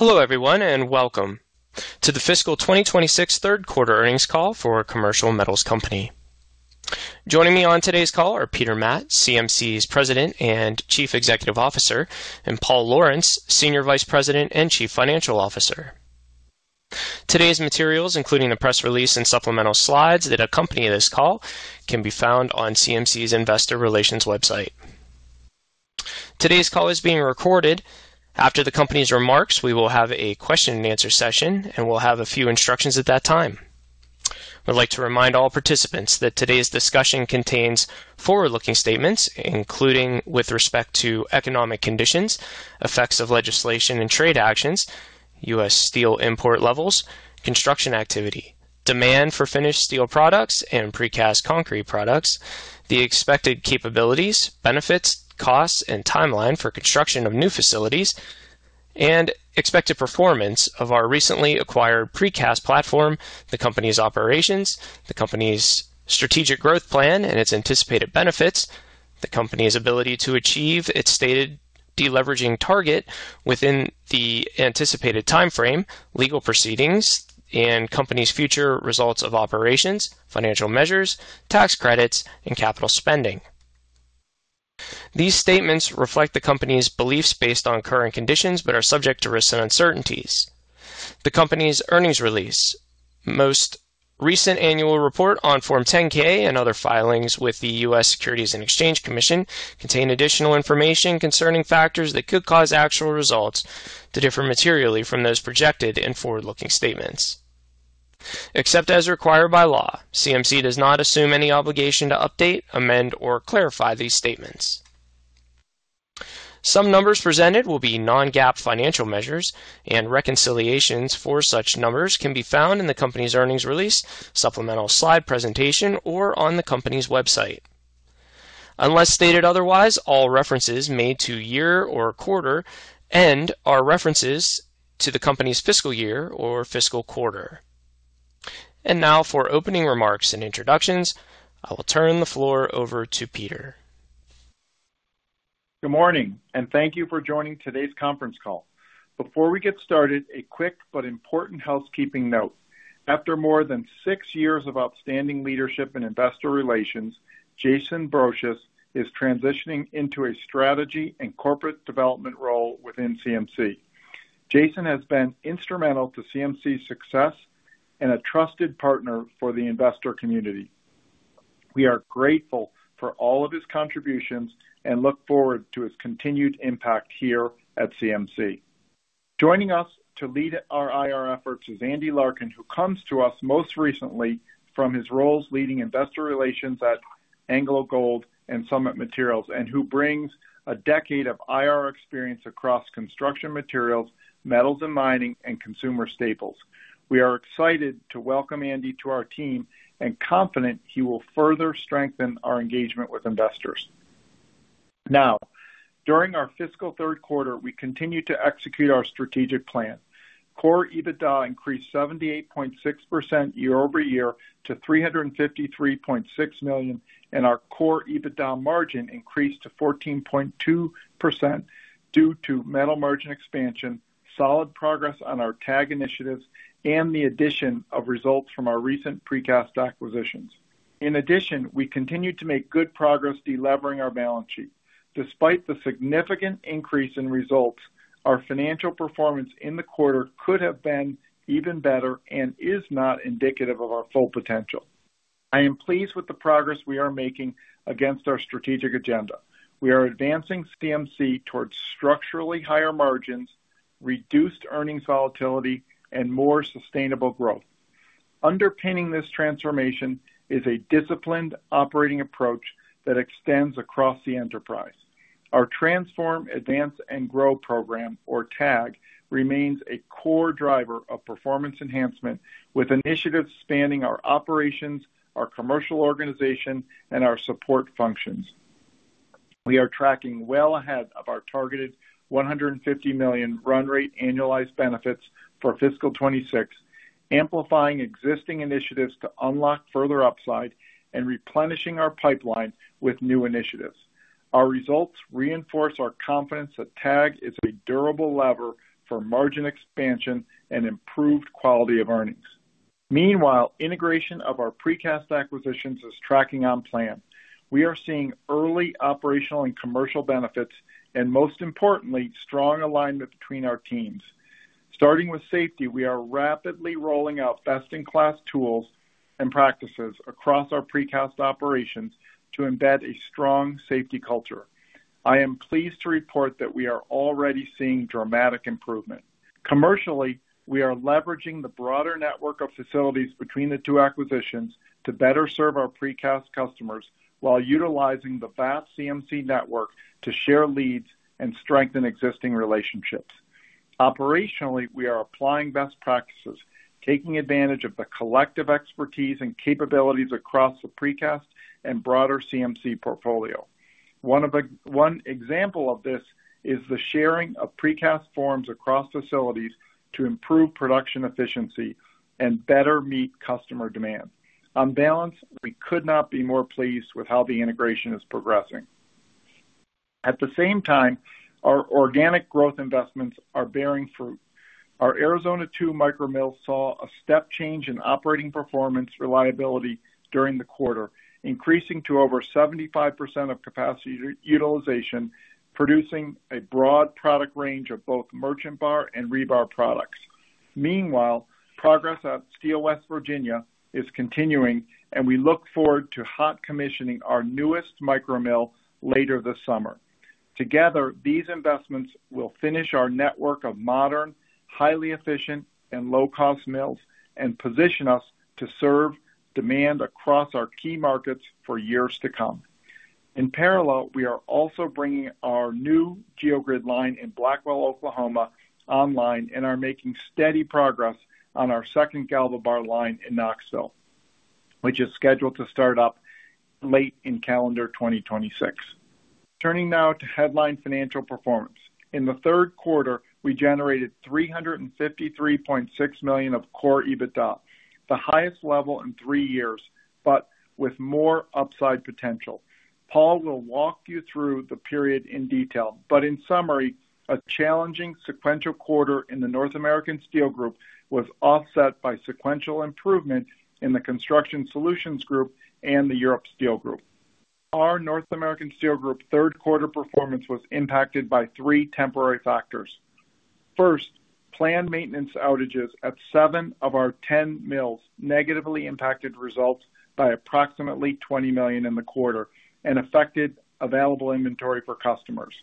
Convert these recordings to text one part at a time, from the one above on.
Hello everyone. Welcome to the fiscal 2026 third quarter earnings call for Commercial Metals Company. Joining me on today's call are Peter Matt, CMC's President and Chief Executive Officer, and Paul Lawrence, Senior Vice President and Chief Financial Officer. Today's materials, including the press release and supplemental slides that accompany this call, can be found on CMC's Investor Relations website. Today's call is being recorded. After the company's remarks, we will have a question-and-answer session. We'll have a few instructions at that time. I'd like to remind all participants that today's discussion contains forward-looking statements, including with respect to economic conditions, effects of legislation and trade actions, U.S. steel import levels, construction activity, demand for finished steel products and precast concrete products, the expected capabilities, benefits, costs, and timeline for construction of new facilities, and expected performance of our recently acquired precast platform, the company's operations, the company's strategic growth plan and its anticipated benefits, the company's ability to achieve its stated de-leveraging target within the anticipated timeframe, legal proceedings, and company's future results of operations, financial measures, tax credits and capital spending. These statements reflect the company's beliefs based on current conditions, but are subject to risks and uncertainties. The company's earnings release, most recent annual report on Form 10-K and other filings with the U.S. Securities and Exchange Commission contain additional information concerning factors that could cause actual results to differ materially from those projected in forward-looking statements. Except as required by law, CMC does not assume any obligation to update, amend or clarify these statements. Some numbers presented will be non-GAAP financial measures. Reconciliations for such numbers can be found in the company's earnings release, supplemental slide presentation, or on the company's website. Unless stated otherwise, all references made to year- or quarter-end are references to the company's fiscal year or fiscal quarter. Now for opening remarks and introductions, I will turn the floor over to Peter. Good morning. Thank you for joining today's conference call. Before we get started, a quick but important housekeeping note. After more than six years of outstanding leadership in investor relations, Jason Brosius is transitioning into a strategy and corporate development role within CMC. Jason has been instrumental to CMC's success and a trusted partner for the investor community. We are grateful for all of his contributions and look forward to his continued impact here at CMC. Joining us to lead our IR efforts is Andy Larkin, who comes to us most recently from his roles leading investor relations at AngloGold and Summit Materials, and who brings a decade of IR experience across construction materials, metals and mining, and consumer staples. We are excited to welcome Andy to our team and confident he will further strengthen our engagement with investors. Core EBITDA increased 78.6% year-over-year to $353.6 million. Our core EBITDA margin increased to 14.2% due to metal margin expansion, solid progress on our TAG initiatives, and the addition of results from our recent precast acquisitions. In addition, we continued to make good progress de-levering our balance sheet. Despite the significant increase in results, our financial performance in the quarter could have been even better and is not indicative of our full potential. I am pleased with the progress we are making against our strategic agenda. We are advancing CMC towards structurally higher margins, reduced earnings volatility, and more sustainable growth. Underpinning this transformation is a disciplined operating approach that extends across the enterprise. Our Transform, Advance and Grow program, or TAG, remains a core driver of performance enhancement, with initiatives spanning our operations, our commercial organization, and our support functions. We are tracking well ahead of our targeted $150 million run-rate annualized benefits for fiscal 2026, amplifying existing initiatives to unlock further upside and replenishing our pipeline with new initiatives. Our results reinforce our confidence that TAG is a durable lever for margin expansion and improved quality of earnings. Meanwhile, integration of our precast acquisitions is tracking on plan. We are seeing early operational and commercial benefits and, most importantly, strong alignment between our teams. Starting with safety, we are rapidly rolling out best-in-class tools and practices across our precast operations to embed a strong safety culture. I am pleased to report that we are already seeing dramatic improvement. Commercially, we are leveraging the broader network of facilities between the two acquisitions to better serve our precast customers while utilizing the vast CMC network to share leads and strengthen existing relationships. Operationally, we are applying best practices, taking advantage of the collective expertise and capabilities across the precast and broader CMC portfolio. One example of this is the sharing of precast forms across facilities to improve production efficiency and better meet customer demand. On balance, we could not be more pleased with how the integration is progressing. At the same time, our organic growth investments are bearing fruit. Our Arizona 2 micro-mill saw a step change in operating performance reliability during the quarter, increasing to over 75% of capacity utilization, producing a broad product range of both merchant bar and rebar products. Progress at Steel West Virginia is continuing, and we look forward to hot commissioning our newest micro-mill later this summer. Together, these investments will finish our network of modern, highly efficient, and low-cost mills and position us to serve demand across our key markets for years to come. In parallel, we are also bringing our new geogrid line in Blackwell, Oklahoma, online and are making steady progress on our second GalvaBar line in Knoxville, which is scheduled to start up late in calendar 2026. Turning now to headline financial performance. In the third quarter, we generated $353.6 million of core EBITDA, the highest level in three years, but with more upside potential. Paul will walk you through the period in detail, but in summary, a challenging sequential quarter in the North America Steel Group was offset by sequential improvement in the Construction Solutions Group and the Europe Steel Group. Our North America Steel Group third quarter performance was impacted by three temporary factors. First, planned maintenance outages at seven of our 10 mills negatively impacted results by approximately $20 million in the quarter and affected available inventory for customers.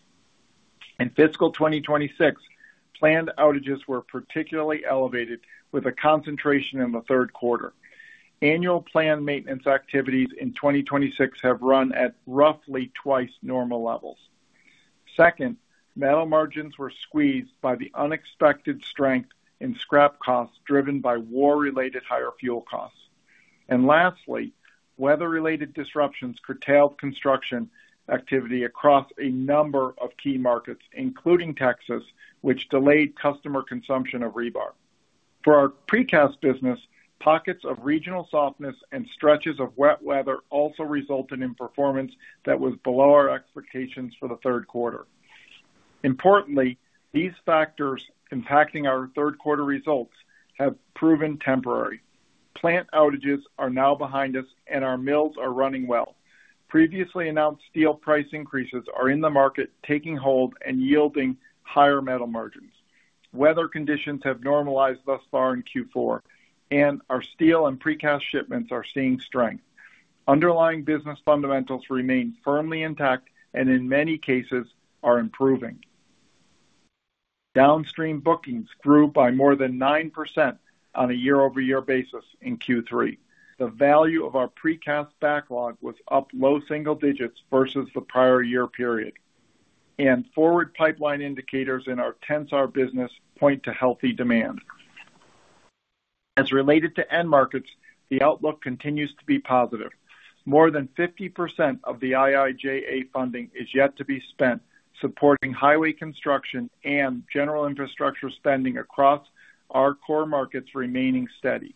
In fiscal 2026, planned outages were particularly elevated, with a concentration in the third quarter. Annual planned maintenance activities in 2026 have run at roughly twice normal levels. Second, metal margins were squeezed by the unexpected strength in scrap costs, driven by war-related higher fuel costs. Lastly, weather-related disruptions curtailed construction activity across a number of key markets, including Texas, which delayed customer consumption of rebar. For our precast business, pockets of regional softness and stretches of wet weather also resulted in performance that was below our expectations for the third quarter. Importantly, these factors impacting our third quarter results have proven temporary. Plant outages are now behind us, and our mills are running well. Previously announced steel price increases are in the market taking hold and yielding higher metal margins. Weather conditions have normalized thus far in Q4, and our steel and precast shipments are seeing strength. Underlying business fundamentals remain firmly intact and in many cases, are improving. Downstream bookings grew by more than 9% on a year-over-year basis in Q3. The value of our precast backlog was up low single digits versus the prior year period. Forward pipeline indicators in our Tensar business point to healthy demand. Related to end markets, the outlook continues to be positive. More than 50% of the IIJA funding is yet to be spent supporting highway construction and general infrastructure spending across our core markets remaining steady.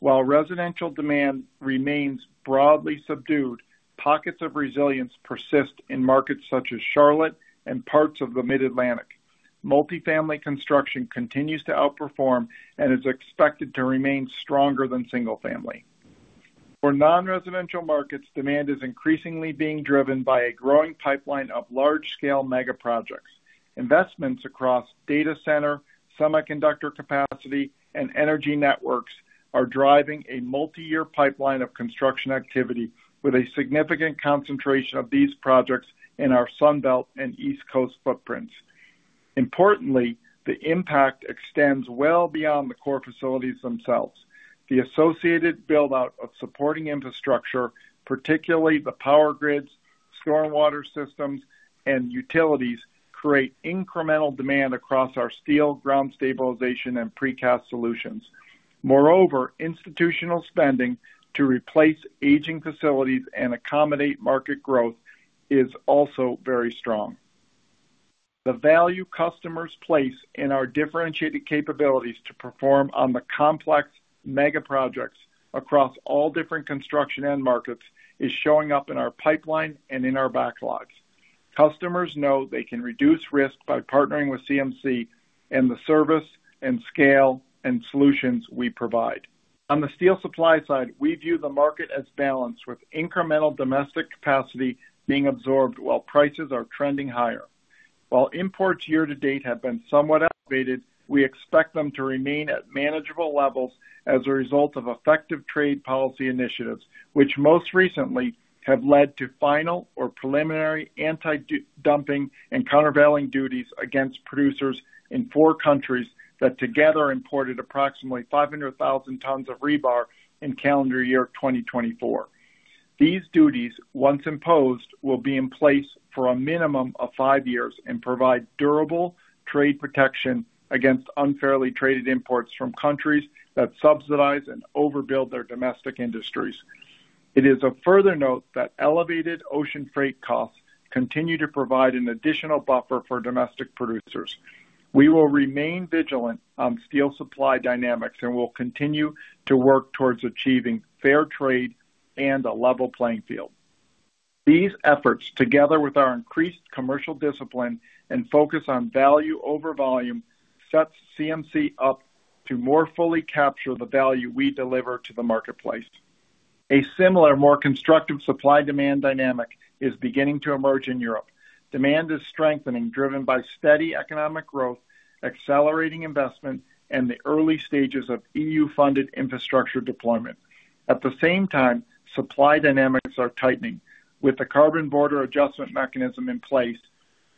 While residential demand remains broadly subdued, pockets of resilience persist in markets such as Charlotte and parts of the Mid-Atlantic. Multifamily construction continues to outperform and is expected to remain stronger than single family. For non-residential markets, demand is increasingly being driven by a growing pipeline of large-scale mega projects. Investments across data center, semiconductor capacity, and energy networks are driving a multi-year pipeline of construction activity with a significant concentration of these projects in our Sun Belt and East Coast footprints. Importantly, the impact extends well beyond the core facilities themselves. The associated build-out of supporting infrastructure, particularly the power grids, stormwater systems, and utilities, create incremental demand across our steel ground stabilization and precast solutions. Moreover, institutional spending to replace aging facilities and accommodate market growth is also very strong. The value customers place in our differentiated capabilities to perform on the complex mega projects across all different construction end markets is showing up in our pipeline and in our backlogs. Customers know they can reduce risk by partnering with CMC and the service and scale and solutions we provide. On the steel supply side, we view the market as balanced, with incremental domestic capacity being absorbed while prices are trending higher. While imports year-to-date have been somewhat elevated, we expect them to remain at manageable levels as a result of effective trade policy initiatives, which most recently have led to final or preliminary anti-dumping and countervailing duties against producers in four countries that together imported approximately 500,000 tons of rebar in calendar year 2024. These duties, once imposed, will be in place for a minimum of five years and provide durable trade protection against unfairly traded imports from countries that subsidize and overbuild their domestic industries. It is of further note that elevated ocean freight costs continue to provide an additional buffer for domestic producers. We will remain vigilant on steel supply dynamics, and we'll continue to work towards achieving fair trade and a level playing field. These efforts, together with our increased commercial discipline and focus on value over volume, sets CMC up to more fully capture the value we deliver to the marketplace. A similar, more constructive supply-demand dynamic is beginning to emerge in Europe. Demand is strengthening, driven by steady economic growth, accelerating investment, and the early stages of EU-funded infrastructure deployment. At the same time, supply dynamics are tightening with the Carbon Border Adjustment Mechanism in place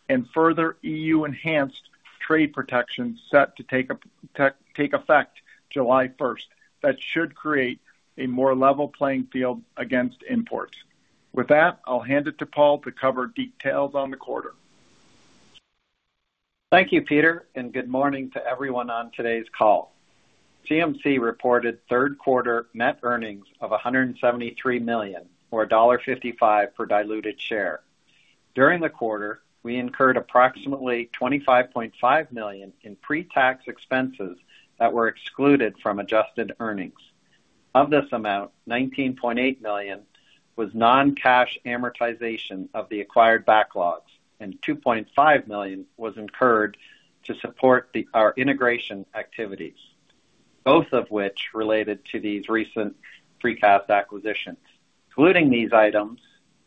and further EU-enhanced trade protections set to take effect July 1st. That should create a more level playing field against imports. With that, I'll hand it to Paul to cover details on the quarter. Thank you, Peter, and good morning to everyone on today's call. CMC reported third quarter net earnings of $173 million, or $1.55 per diluted share. During the quarter, we incurred approximately $25.5 million in pre-tax expenses that were excluded from adjusted earnings. Of this amount, $19.8 million was non-cash amortization of the acquired backlogs, and $2.5 million was incurred to support our integration activities, both of which related to these recent precast acquisitions. Including these items,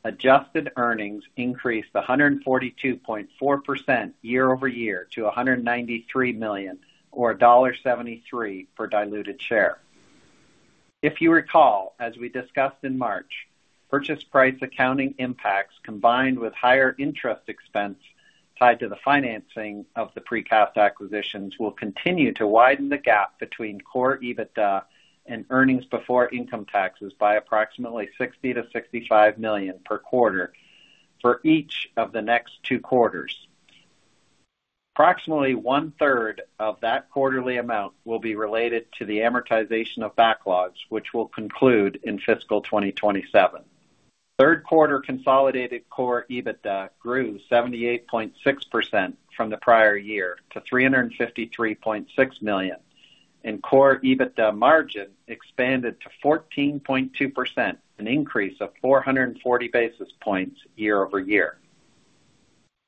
adjusted earnings increased 142.4% year-over-year to $193 million, or $1.73 per diluted share. If you recall, as we discussed in March, purchase price accounting impacts, combined with higher interest expense tied to the financing of the precast acquisitions, will continue to widen the gap between core EBITDA and earnings before income taxes by approximately $60 million-$65 million per quarter for each of the next two quarters. Approximately one-third of that quarterly amount will be related to the amortization of backlogs, which will conclude in fiscal 2027. Third quarter consolidated core EBITDA grew 78.6% from the prior year to $353.6 million, and core EBITDA margin expanded to 14.2%, an increase of 440 basis points year-over-year.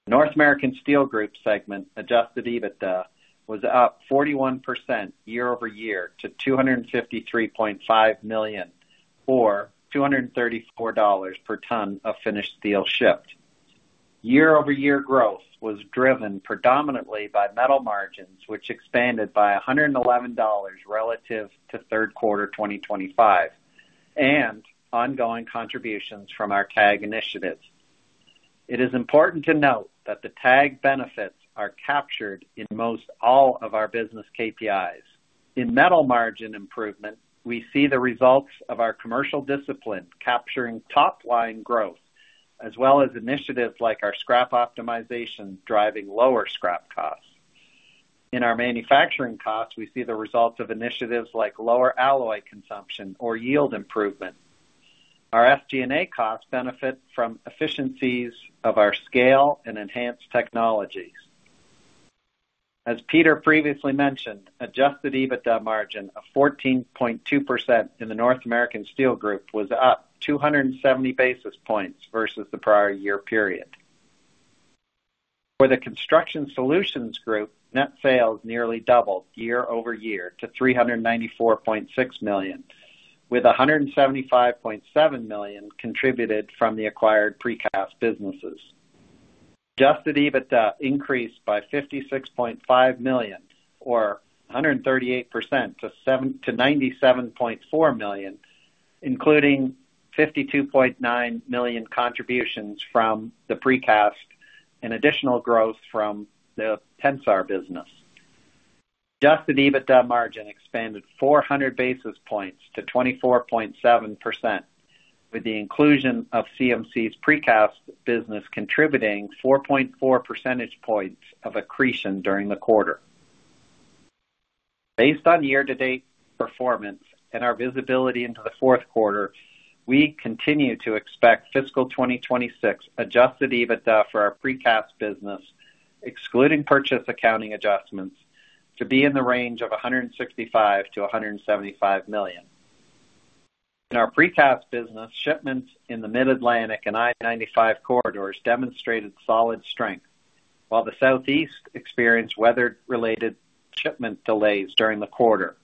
North America Steel Group segment adjusted EBITDA was up 41% year-over-year to $253.5 million, or $234 per ton of finished steel shipped. Year-over-year growth was driven predominantly by metal margins, which expanded by $111 relative to third quarter 2025, and ongoing contributions from our TAG initiatives. It is important to note that the TAG benefits are captured in most all of our business KPIs. In metal margin improvement, we see the results of our commercial discipline capturing top-line growth, as well as initiatives like our scrap optimization driving lower scrap costs. In our manufacturing costs, we see the results of initiatives like lower alloy consumption or yield improvement. Our SG&A costs benefit from efficiencies of our scale and enhanced technologies. As Peter previously mentioned, adjusted EBITDA margin of 14.2% in the North America Steel Group was up 270 basis points versus the prior year period. For the Construction Solutions Group, net sales nearly doubled year-over-year to $394.6 million, with $175.7 million contributed from the acquired precast businesses. Adjusted EBITDA increased by $56.5 million or 138% to $97.4 million, including $52.9 million contributions from the precast and additional growth from the Tensar business. Adjusted EBITDA margin expanded 400 basis points to 24.7%, with the inclusion of CMC's precast business contributing 4.4 percentage points of accretion during the quarter. Based on year-to-date performance and our visibility into the fourth quarter, we continue to expect fiscal 2026 adjusted EBITDA for our precast business, excluding purchase accounting adjustments, to be in the range of $165 million-$175 million. In our precast business, shipments in the Mid-Atlantic and I-95 corridors demonstrated solid strength, while the Southeast experienced weather-related shipment delays during the quarter.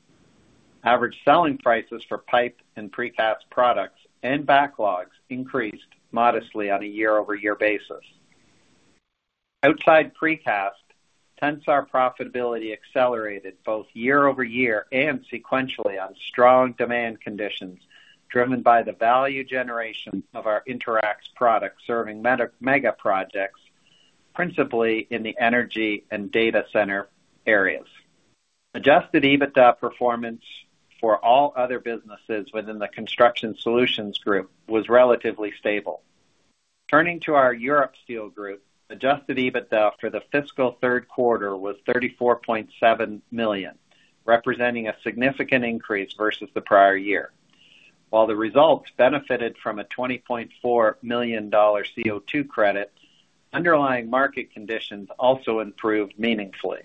Average selling prices for pipe and precast products and backlogs increased modestly on a year-over-year basis. Outside precast, Tensar profitability accelerated both year-over-year and sequentially on strong demand conditions, driven by the value generation of our InterAx product serving mega projects, principally in the energy and data center areas. Adjusted EBITDA performance for all other businesses within the Construction Solutions Group was relatively stable. Turning to our Europe Steel Group, adjusted EBITDA for the fiscal third quarter was $34.7 million, representing a significant increase versus the prior year. While the results benefited from a $20.4 million CO2 credit, underlying market conditions also improved meaningfully.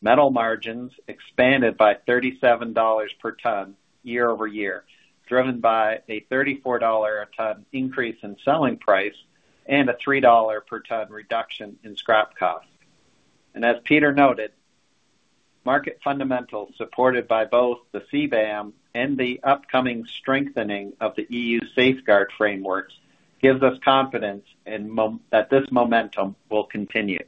Metal margins expanded by $37 per ton year-over-year, driven by a $34 a ton increase in selling price and a $3 per ton reduction in scrap cost. As Peter noted, market fundamentals, supported by both the CBAM and the upcoming strengthening of the EU safeguard frameworks, gives us confidence that this momentum will continue.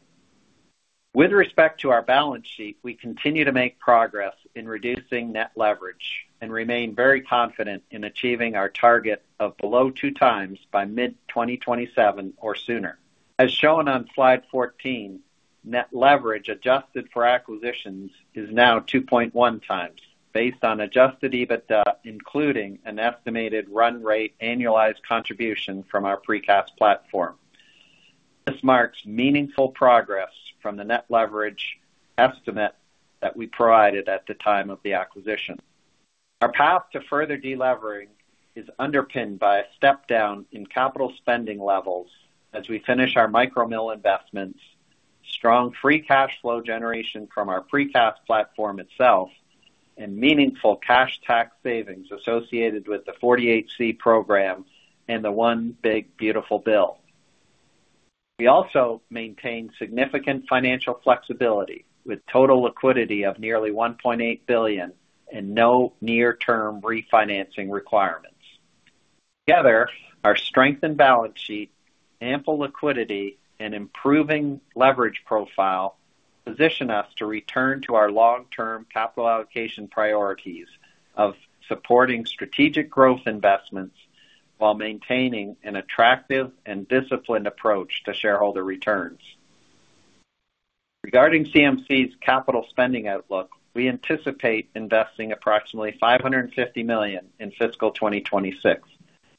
With respect to our balance sheet, we continue to make progress in reducing net leverage and remain very confident in achieving our target of below 2x by mid-2027 or sooner. As shown on slide 14, net leverage adjusted for acquisitions is now 2.1x, based on adjusted EBITDA, including an estimated run-rate annualized contribution from our precast platform. This marks meaningful progress from the net leverage estimate that we provided at the time of the acquisition. Our path to further delevering is underpinned by a step down in capital spending levels as we finish our micro-mill investments, strong free cash flow generation from our precast platform itself, and meaningful cash tax savings associated with the 48C program and the One Big Beautiful Bill. We also maintain significant financial flexibility, with total liquidity of nearly $1.8 billion and no near-term refinancing requirements. Together, our strengthened balance sheet, ample liquidity, and improving leverage profile position us to return to our long-term capital allocation priorities of supporting strategic growth investments while maintaining an attractive and disciplined approach to shareholder returns. Regarding CMC's capital spending outlook, we anticipate investing approximately $550 million in fiscal 2026.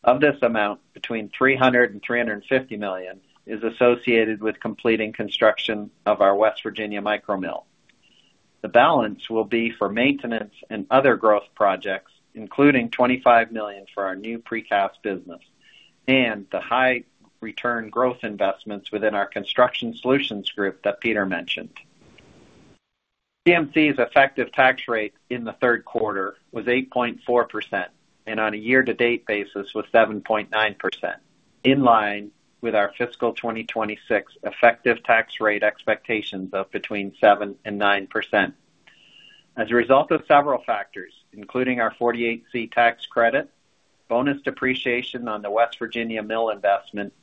Of this amount, between $300 million and $350 million is associated with completing construction of our West Virginia micro-mill. The balance will be for maintenance and other growth projects, including $25 million for our new precast business and the high return growth investments within our Construction Solutions Group that Peter mentioned. CMC's effective tax rate in the third quarter was 8.4%, and on a year-to-date basis was 7.9%, in line with our fiscal 2026 effective tax rate expectations of between 7% and 9%. As a result of several factors, including our Section 48C tax credit, bonus depreciation on the West Virginia mill investment,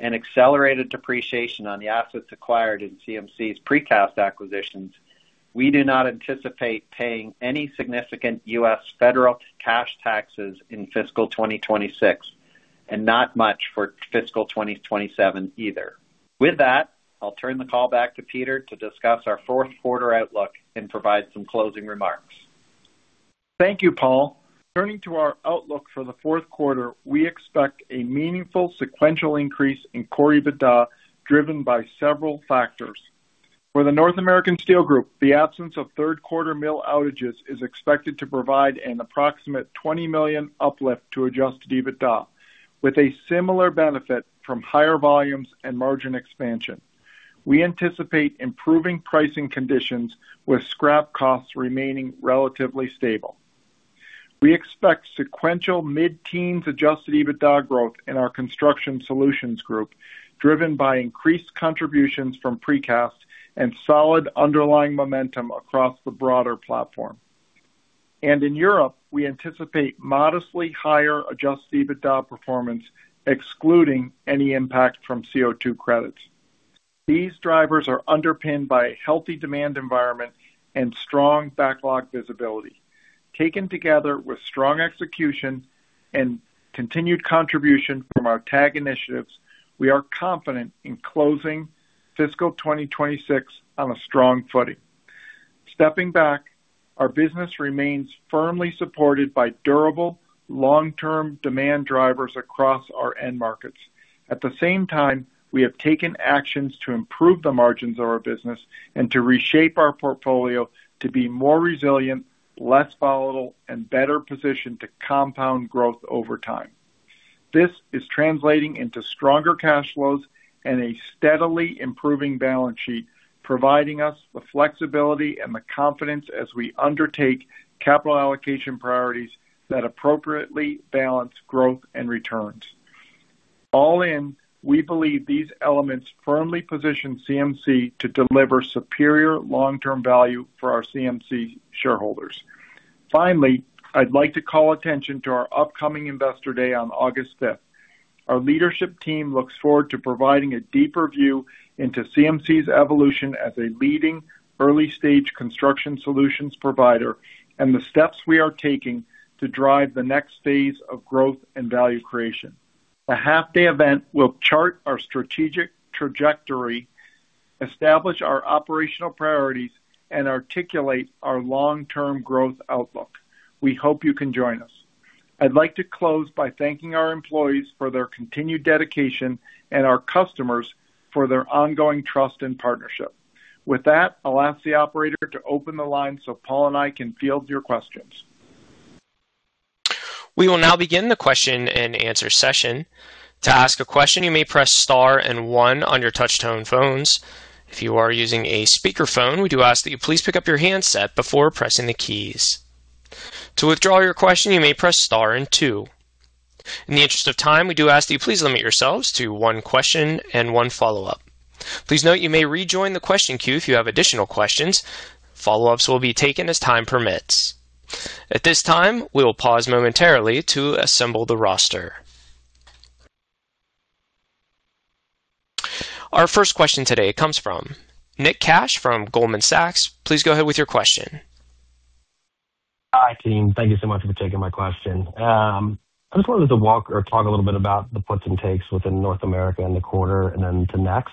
and accelerated depreciation on the assets acquired in CMC's precast acquisitions, we do not anticipate paying any significant U.S. federal cash taxes in fiscal 2026, and not much for fiscal 2027 either. With that, I'll turn the call back to Peter to discuss our fourth quarter outlook and provide some closing remarks. Thank you, Paul. Turning to our outlook for the fourth quarter, we expect a meaningful sequential increase in core EBITDA, driven by several factors. For the North America Steel Group, the absence of third quarter mill outages is expected to provide an approximate $20 million uplift to adjusted EBITDA, with a similar benefit from higher volumes and margin expansion. We anticipate improving pricing conditions, with scrap costs remaining relatively stable. We expect sequential mid-teens adjusted EBITDA growth in our Construction Solutions Group, driven by increased contributions from precast and solid underlying momentum across the broader platform. In Europe, we anticipate modestly higher adjusted EBITDA performance, excluding any impact from CO2 credits. These drivers are underpinned by a healthy demand environment and strong backlog visibility. Taken together with strong execution and continued contribution from our TAG initiatives, we are confident in closing fiscal 2026 on a strong footing. Stepping back, our business remains firmly supported by durable, long-term demand drivers across our end markets. At the same time, we have taken actions to improve the margins of our business and to reshape our portfolio to be more resilient, less volatile, and better positioned to compound growth over time. This is translating into stronger cash flows and a steadily improving balance sheet, providing us the flexibility and the confidence as we undertake capital allocation priorities that appropriately balance growth and returns. All in, we believe these elements firmly position CMC to deliver superior long-term value for our CMC shareholders. Finally, I'd like to call attention to our upcoming Investor Day on August 5th. Our leadership team looks forward to providing a deeper view into CMC's evolution as a leading early-stage construction solutions provider and the steps we are taking to drive the next phase of growth and value creation. The half-day event will chart our strategic trajectory, establish our operational priorities, and articulate our long-term growth outlook. We hope you can join us. I'd like to close by thanking our employees for their continued dedication and our customers for their ongoing trust and partnership. With that, I'll ask the operator to open the line so Paul and I can field your questions. We will now begin the question-and-answer session. To ask a question, you may press star and one on your touch-tone phones. If you are using a speakerphone, we do ask that you please pick up your handset before pressing the keys. To withdraw your question, you may press star and two. In the interest of time, we do ask that you please limit yourselves to one question and one follow-up. Please note you may rejoin the question queue if you have additional questions. Follow-ups will be taken as time permits. At this time, we will pause momentarily to assemble the roster. Our first question today comes from Nick Cash from Goldman Sachs. Please go ahead with your question. Hi, team. Thank you so much for taking my question. I just wanted to walk or talk a little bit about the puts and takes within North America in the quarter to next.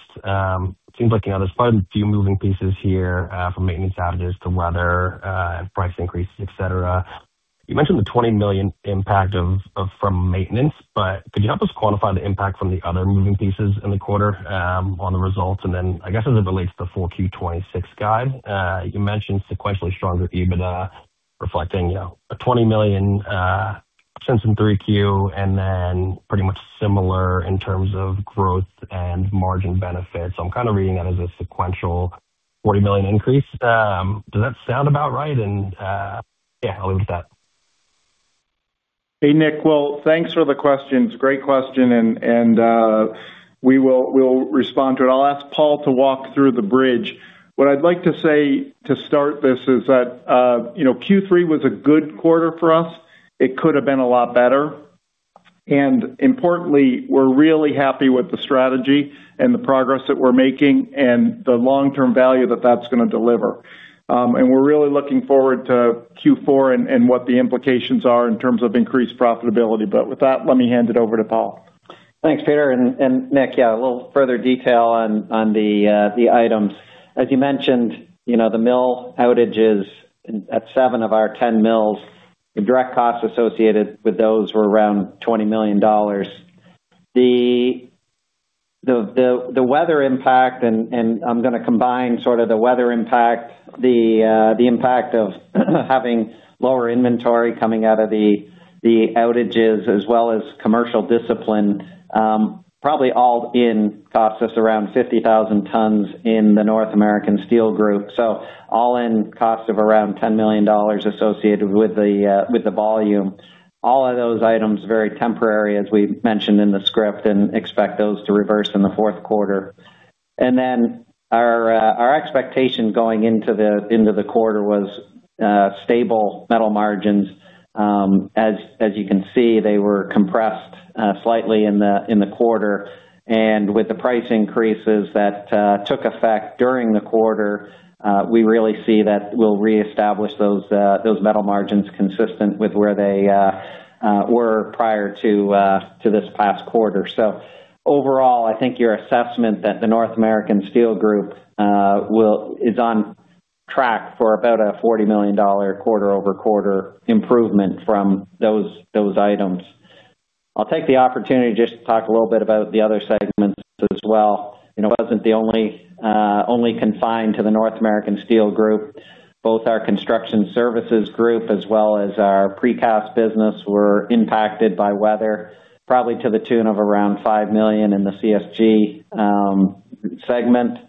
Seems like there's quite a few moving pieces here, from maintenance outages to weather, and price increases, et cetera. You mentioned the $20 million impact from maintenance, but could you help us quantify the impact from the other moving pieces in the quarter on the results? I guess as it relates to full Q2 2026 guide, you mentioned sequentially stronger EBITDA reflecting a $20 million since in Q3, then pretty much similar in terms of growth and margin benefits. I'm kind of reading that as a sequential $40 million increase. Does that sound about right? Yeah, I'll leave it at that. Hey, Nick. Well, thanks for the question. It's a great question and we will respond to it. I'll ask Paul to walk through the bridge. What I'd like to say to start this is that Q3 was a good quarter for us. It could have been a lot better. Importantly, we're really happy with the strategy and the progress that we're making and the long-term value that that's going to deliver. We're really looking forward to Q4 and what the implications are in terms of increased profitability. With that, let me hand it over to Paul. Thanks, Peter, and Nick, yeah, a little further detail on the items. As you mentioned, the mill outages at seven of our 10 mills. The direct costs associated with those were around $20 million. The weather impact, and I'm going to combine sort of the weather impact, the impact of having lower inventory coming out of the outages as well as commercial discipline. Probably all-in cost us around 50,000 tons in the North America Steel Group. All-in cost of around $10 million associated with the volume. All of those items very temporary, as we mentioned in the script, and expect those to reverse in the fourth quarter. Our expectation going into the quarter was stable metal margins. As you can see, they were compressed slightly in the quarter. With the price increases that took effect during the quarter, we really see that we'll reestablish those metal margins consistent with where they were prior to this past quarter. Overall, I think your assessment that the North America Steel Group is on track for about a $40 million quarter-over-quarter improvement from those items. I'll take the opportunity just to talk a little bit about the other segments as well. It wasn't the only confined to the North America Steel Group. Both our Construction Services Group as well as our precast business were impacted by weather, probably to the tune of around $5 million in the CSG segment.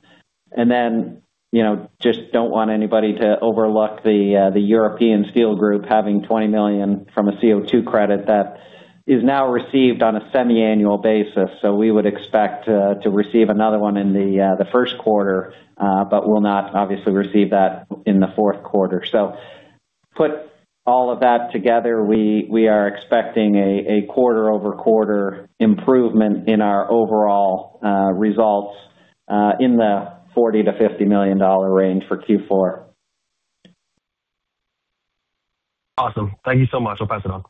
Just don't want anybody to overlook the European Steel Group having $20 million from a CO2 credit that is now received on a semi-annual basis. We would expect to receive another one in the first quarter, but will not obviously receive that in the fourth quarter. Put all of that together, we are expecting a quarter-over-quarter improvement in our overall results, in the $40 million-$50 million range for Q4. Awesome. Thank you so much. I'll pass it on.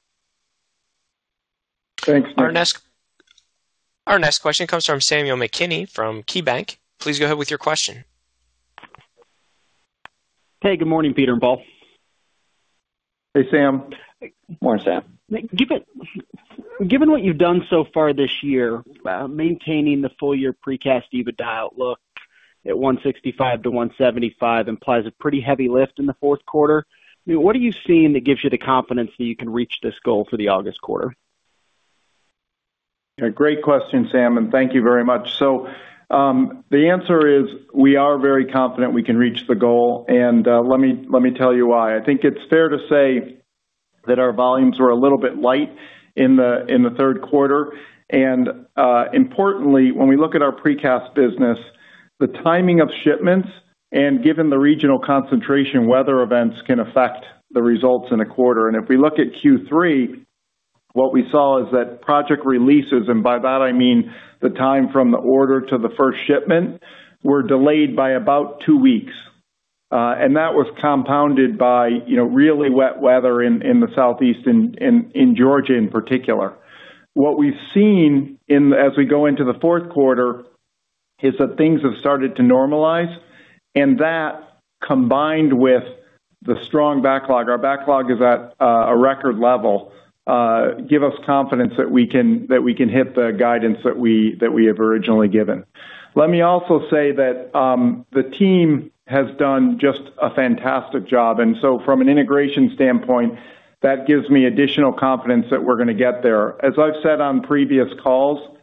Thanks. Our next question comes from Samuel McKinney from KeyBanc. Please go ahead with your question. Hey, good morning, Peter and Paul. Hey, Sam. Morning, Sam. Given what you've done so far this year, maintaining the full-year precast EBITDA outlook at $165 million-$175 million implies a pretty heavy lift in the fourth quarter. What are you seeing that gives you the confidence that you can reach this goal for the August quarter? A great question, Sam, and thank you very much. The answer is we are very confident we can reach the goal, let me tell you why. I think it's fair to say that our volumes were a little bit light in the third quarter, importantly, when we look at our precast business, the timing of shipments and given the regional concentration weather events can affect the results in a quarter. If we look at Q3, what we saw is that project releases, and by that I mean the time from the order to the first shipment, were delayed by about two weeks. That was compounded by really wet weather in the Southeast, in Georgia in particular. What we've seen as we go into the fourth quarter is that things have started to normalize, that combined with the strong backlog, our backlog is at a record level, give us confidence that we can hit the guidance that we have originally given. Let me also say that the team has done just a fantastic job. From an integration standpoint, that gives me additional confidence that we're going to get there. As I've said on previous calls,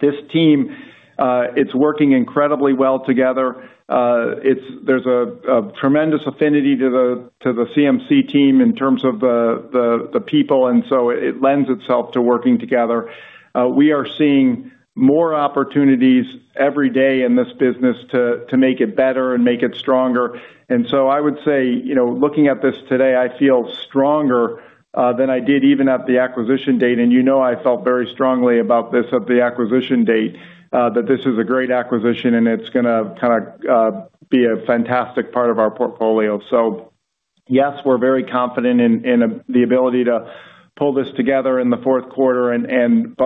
this team, it's working incredibly well together. There's a tremendous affinity to the CMC team in terms of the people, it lends itself to working together. We are seeing more opportunities every day in this business to make it better and make it stronger. I would say, looking at this today, I feel stronger than I did even at the acquisition date. You know I felt very strongly about this at the acquisition date, that this is a great acquisition and it's going to kind of be a fantastic part of our portfolio. Yes, we're very confident in the ability to pull this together in the fourth quarter.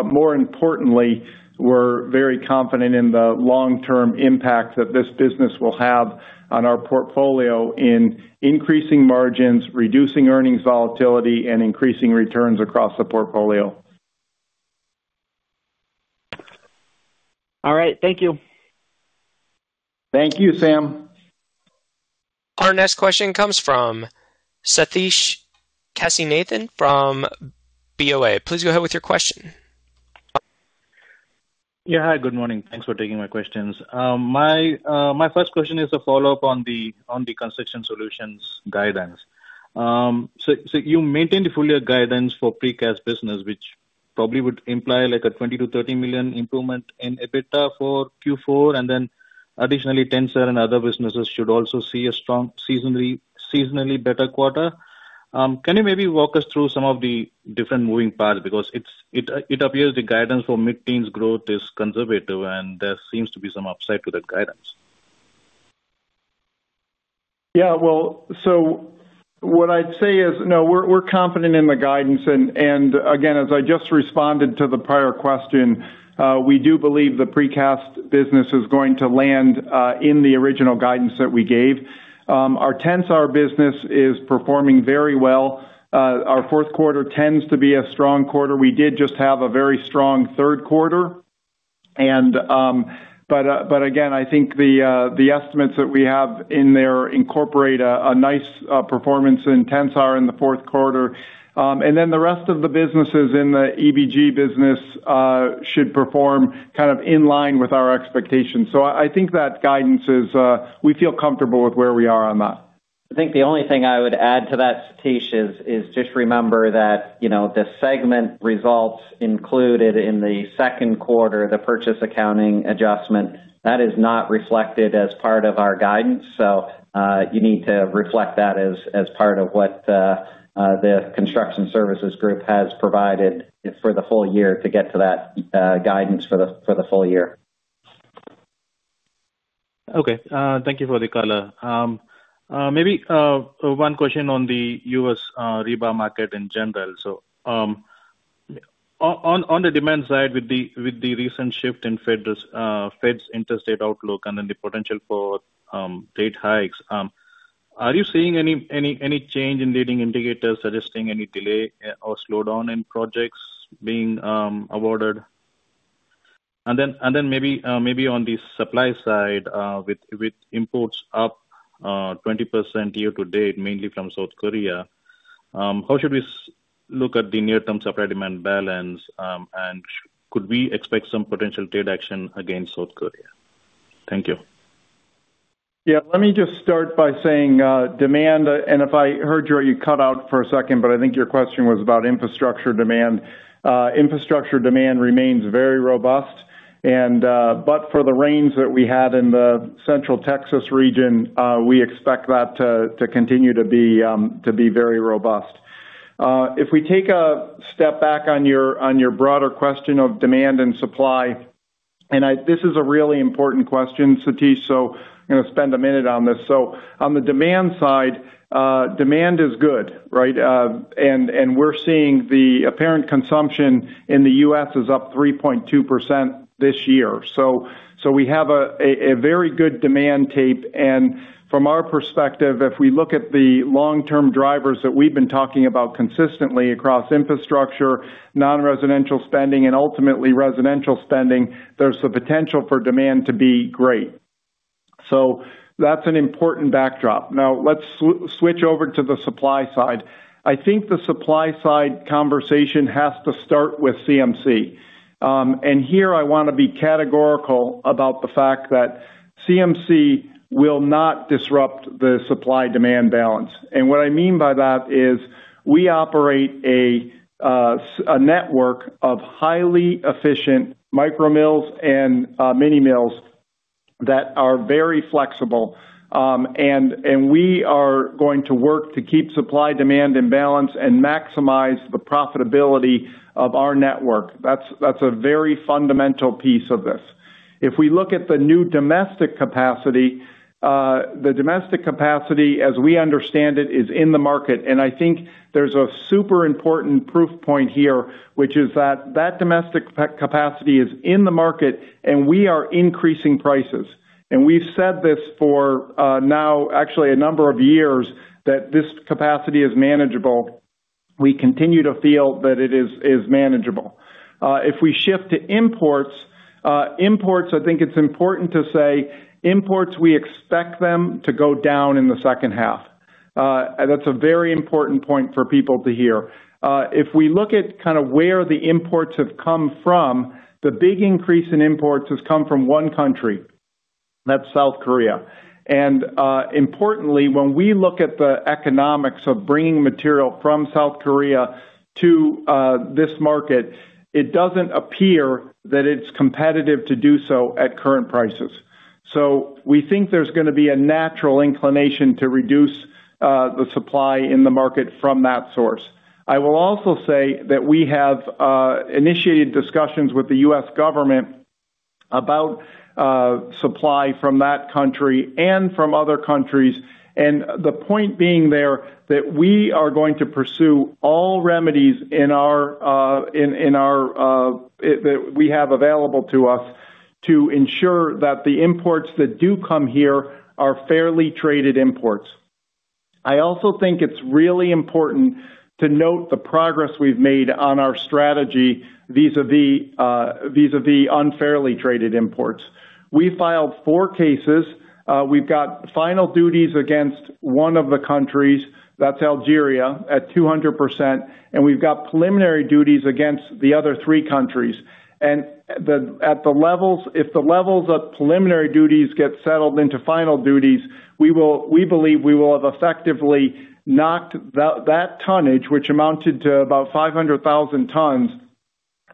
More importantly, we're very confident in the long-term impact that this business will have on our portfolio in increasing margins, reducing earnings volatility, and increasing returns across the portfolio. All right. Thank you. Thank you, Sam. Our next question comes from Sathish Kasinathan from BoA. Please go ahead with your question. Yeah. Hi, good morning. Thanks for taking my questions. My first question is a follow-up on the Construction Solutions guidance. You maintained the full-year guidance for precast business, which probably would imply like a $20 million-$30 million improvement in EBITDA for Q4, and then additionally, Tensar and other businesses should also see a strong seasonally better quarter. Can you maybe walk us through some of the different moving parts? It appears the guidance for mid-teens growth is conservative, and there seems to be some upside to that guidance. Yeah. What I'd say is, no, we're confident in the guidance. Again, as I just responded to the prior question, we do believe the precast business is going to land in the original guidance that we gave. Our Tensar business is performing very well. Our fourth quarter tends to be a strong quarter. We did just have a very strong third quarter. Again, I think the estimates that we have in there incorporate a nice performance in Tensar in the fourth quarter. The rest of the businesses in the EBG business should perform kind of in line with our expectations. I think that guidance is, we feel comfortable with where we are on that. I think the only thing I would add to that, Sathish, is just remember that the segment results included in the second quarter, the purchase accounting adjustment, that is not reflected as part of our guidance. You need to reflect that as part of what the Construction Solutions Group has provided for the full-year to get to that guidance for the full-year. Okay. Thank you for the color. Maybe one question on the U.S. rebar market in general. On the demand side, with the recent shift in Fed's interstate outlook and then the potential for rate hikes, are you seeing any change in leading indicators suggesting any delay or slowdown in projects being awarded? Maybe on the supply side, with imports up 20% year-to-date, mainly from South Korea, how should we look at the near-term supply-demand balance? Could we expect some potential trade action against South Korea? Thank you. Yeah. Let me just start by saying demand, if I heard you cut out for a second, but I think your question was about infrastructure demand. Infrastructure demand remains very robust. For the rains that we had in the Central Texas region, we expect that to continue to be very robust. If we take a step back on your broader question of demand and supply, this is a really important question, Sathish, I'm going to spend a minute on this. On the demand side, demand is good, right? We're seeing the apparent consumption in the U.S. is up 3.2% this year. We have a very good demand tape. From our perspective, if we look at the long-term drivers that we've been talking about consistently across infrastructure, non-residential spending, and ultimately residential spending, there's the potential for demand to be great. That's an important backdrop. Let's switch over to the supply side. I think the supply side conversation has to start with CMC. Here I want to be categorical about the fact that CMC will not disrupt the supply-demand balance. What I mean by that is we operate a network of highly efficient micro-mills and mini-mills that are very flexible. We are going to work to keep supply-demand in balance and maximize the profitability of our network. That's a very fundamental piece of this. If we look at the new domestic capacity, the domestic capacity, as we understand it, is in the market. I think there's a super important proof point here, which is that that domestic capacity is in the market, and we are increasing prices. We've said this for now actually a number of years, that this capacity is manageable. We continue to feel that it is manageable. If we shift to imports, I think it's important to say, imports, we expect them to go down in the second half. That's a very important point for people to hear. If we look at where the imports have come from, the big increase in imports has come from one country, that's South Korea. Importantly, when we look at the economics of bringing material from South Korea to this market, it doesn't appear that it's competitive to do so at current prices. We think there's going to be a natural inclination to reduce the supply in the market from that source. I will also say that we have initiated discussions with the U.S. government about supply from that country and from other countries, the point being there that we are going to pursue all remedies that we have available to us to ensure that the imports that do come here are fairly traded imports. I also think it's really important to note the progress we've made on our strategy vis-a-vis unfairly traded imports. We filed four cases. We've got final duties against one of the countries, that's Algeria, at 200%, and we've got preliminary duties against the other three countries. If the levels of preliminary duties get settled into final duties, we believe we will have effectively knocked that tonnage, which amounted to about 500,000 tons,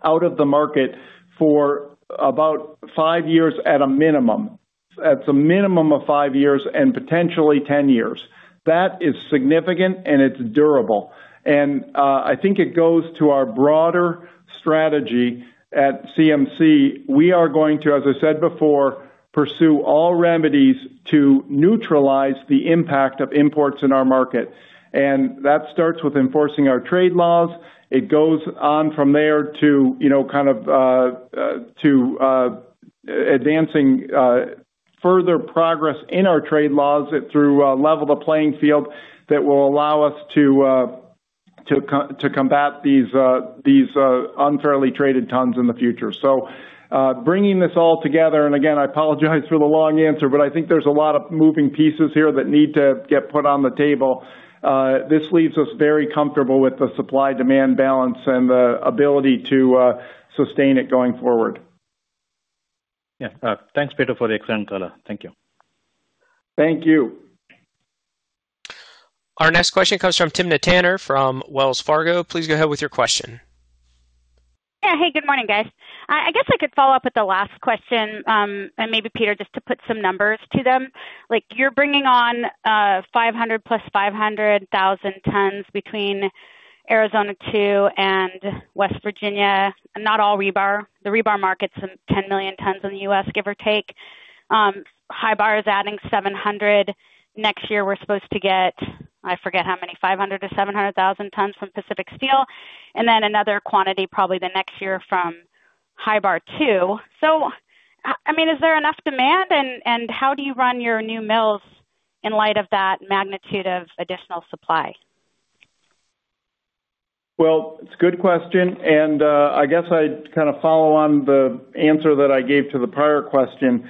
out of the market for about five years at a minimum. That's a minimum of five years and potentially 10 years. That is significant, and it's durable. I think it goes to our broader strategy at CMC. We are going to, as I said before, pursue all remedies to neutralize the impact of imports in our market. That starts with enforcing our trade laws. It goes on from there to advancing further progress in our trade laws through a level the playing field that will allow us to combat these unfairly traded tons in the future. Bringing this all together, and again, I apologize for the long answer, but I think there's a lot of moving pieces here that need to get put on the table. This leaves us very comfortable with the supply-demand balance and the ability to sustain it going forward. Yeah. Thanks, Peter, for the excellent color. Thank you. Thank you. Our next question comes from Timna Tanners from Wells Fargo. Please go ahead with your question. Yeah. Hey, good morning, guys. I guess I could follow up with the last question, and maybe Peter, just to put some numbers to them. You're bringing on 500,000+, 500,000 tons between Arizona 2 and West Virginia, not all rebar. The rebar market's 10 million tons in the U.S., give or take. Hybar is adding 700,000. Next year, we're supposed to get, I forget how many, 500,000 to 700,000 tons from Pacific Steel, and then another quantity probably the next year from Hybar 2. Is there enough demand, and how do you run your new mills in light of that magnitude of additional supply? It's a good question. I guess I'd follow on the answer that I gave to the prior question.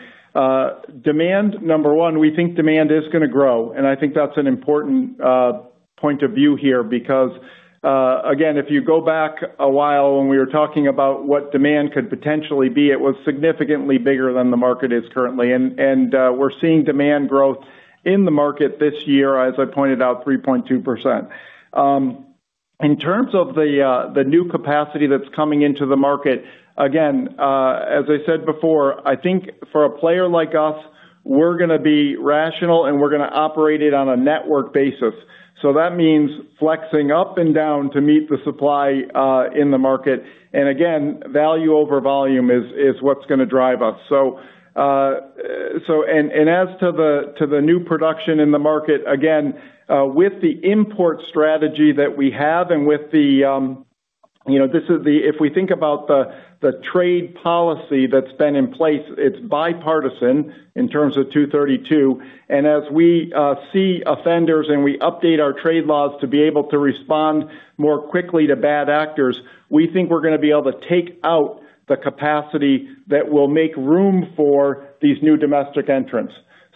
Demand, number one, we think demand is going to grow. I think that's an important point of view here, because again, if you go back a while when we were talking about what demand could potentially be, it was significantly bigger than the market is currently. We're seeing demand growth in the market this year, as I pointed out, 3.2%. In terms of the new capacity that's coming into the market, again, as I said before, I think for a player like us, we're going to be rational, and we're going to operate it on a network basis. That means flexing up and down to meet the supply in the market. Again, value over volume is what's going to drive us. As to the new production in the market, again, with the import strategy that we have, if we think about the trade policy that's been in place, it's bipartisan in terms of Section 232. As we see offenders and we update our trade laws to be able to respond more quickly to bad actors, we think we're going to be able to take out the capacity that will make room for these new domestic entrants.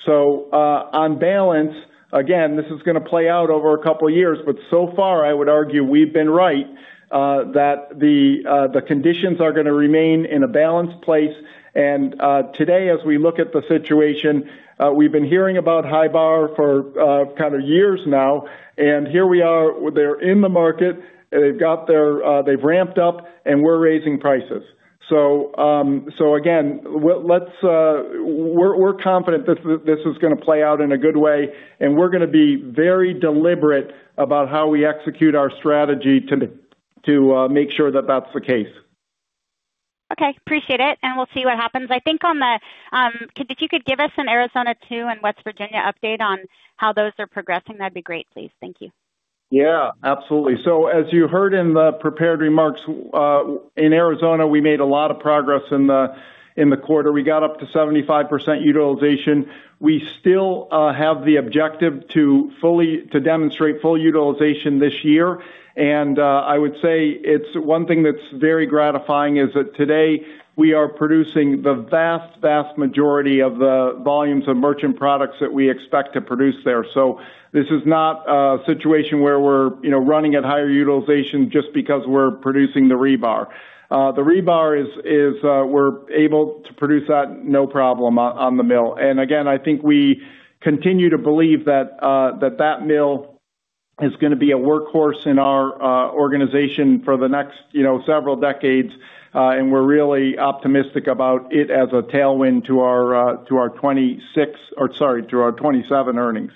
On balance, again, this is going to play out over a couple of years, but so far I would argue we've been right that the conditions are going to remain in a balanced place. Today, as we look at the situation, we've been hearing about Hybar for years now, and here we are. They're in the market, they've ramped-up, and we're raising prices. Again, we're confident this is going to play out in a good way, and we're going to be very deliberate about how we execute our strategy to make sure that that's the case. Appreciate it. We'll see what happens. If you could give us an Arizona 2 and West Virginia update on how those are progressing, that'd be great, please. Thank you. Absolutely. As you heard in the prepared remarks, in Arizona, we made a lot of progress in the quarter. We got up to 75% utilization. We still have the objective to demonstrate full utilization this year. I would say one thing that's very gratifying is that today we are producing the vast majority of the volumes of merchant products that we expect to produce there. This is not a situation where we're running at higher utilization just because we're producing the rebar. The rebar, we're able to produce that, no problem on the mill. Again, I think we continue to believe that that mill is going to be a workhorse in our organization for the next several decades, and we're really optimistic about it as a tailwind to our 2027 earnings.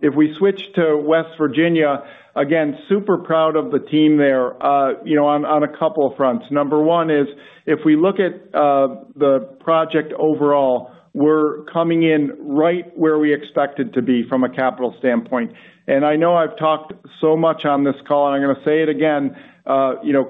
If we switch to West Virginia, again, super proud of the team there on a couple of fronts. Number 1 is, if we look at the project overall, we're coming in right where we expected to be from a capital standpoint. I know I've talked so much on this call, and I'm going to say it again.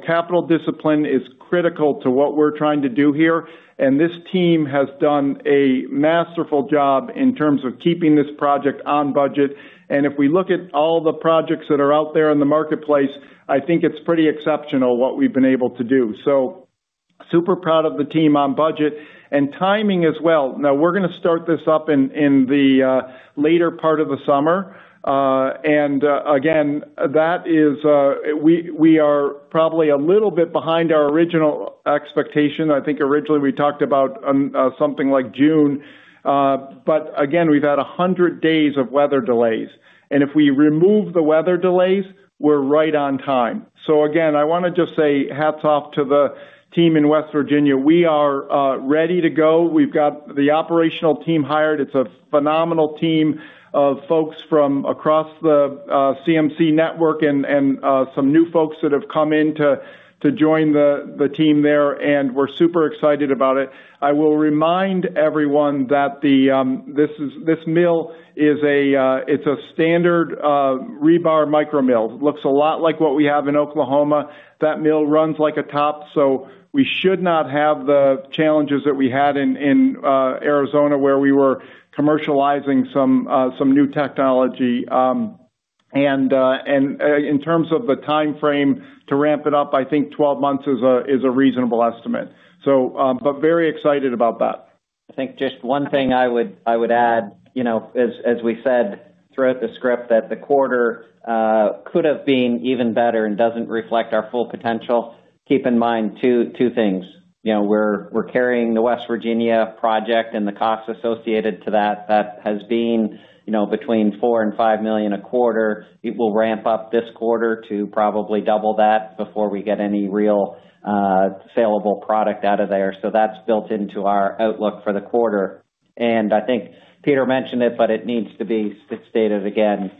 Capital discipline is critical to what we're trying to do here, and this team has done a masterful job in terms of keeping this project on budget. If we look at all the projects that are out there in the marketplace, I think it's pretty exceptional what we've been able to do. Super proud of the team on budget and timing as well. Now, we're going to start this up in the later part of the summer. Again, we are probably a little bit behind our original expectation. I think originally we talked about something like June. Again, we've had 100 days of weather delays, and if we remove the weather delays, we're right on time. Again, I want to just say hats off to the team in West Virginia. We are ready to go. We've got the operational team hired. It's a phenomenal team of folks from across the CMC network and some new folks that have come in to join the team there, and we're super excited about it. I will remind everyone that this mill is a standard rebar micro-mill. It looks a lot like what we have in Oklahoma. That mill runs like a top, so we should not have the challenges that we had in Arizona, where we were commercializing some new technology. In terms of the timeframe to ramp it up, I think 12 months is a reasonable estimate. Very excited about that. I think just one thing I would add, as we said throughout the script, that the quarter could have been even better and doesn't reflect our full potential. Keep in mind two things. We're carrying the West Virginia project and the costs associated to that. That has been between $4 million and $5 million a quarter. It will ramp-up this quarter to probably double that before we get any real saleable product out of there. That's built into our outlook for the quarter. I think Peter mentioned it, but it needs to be stated again.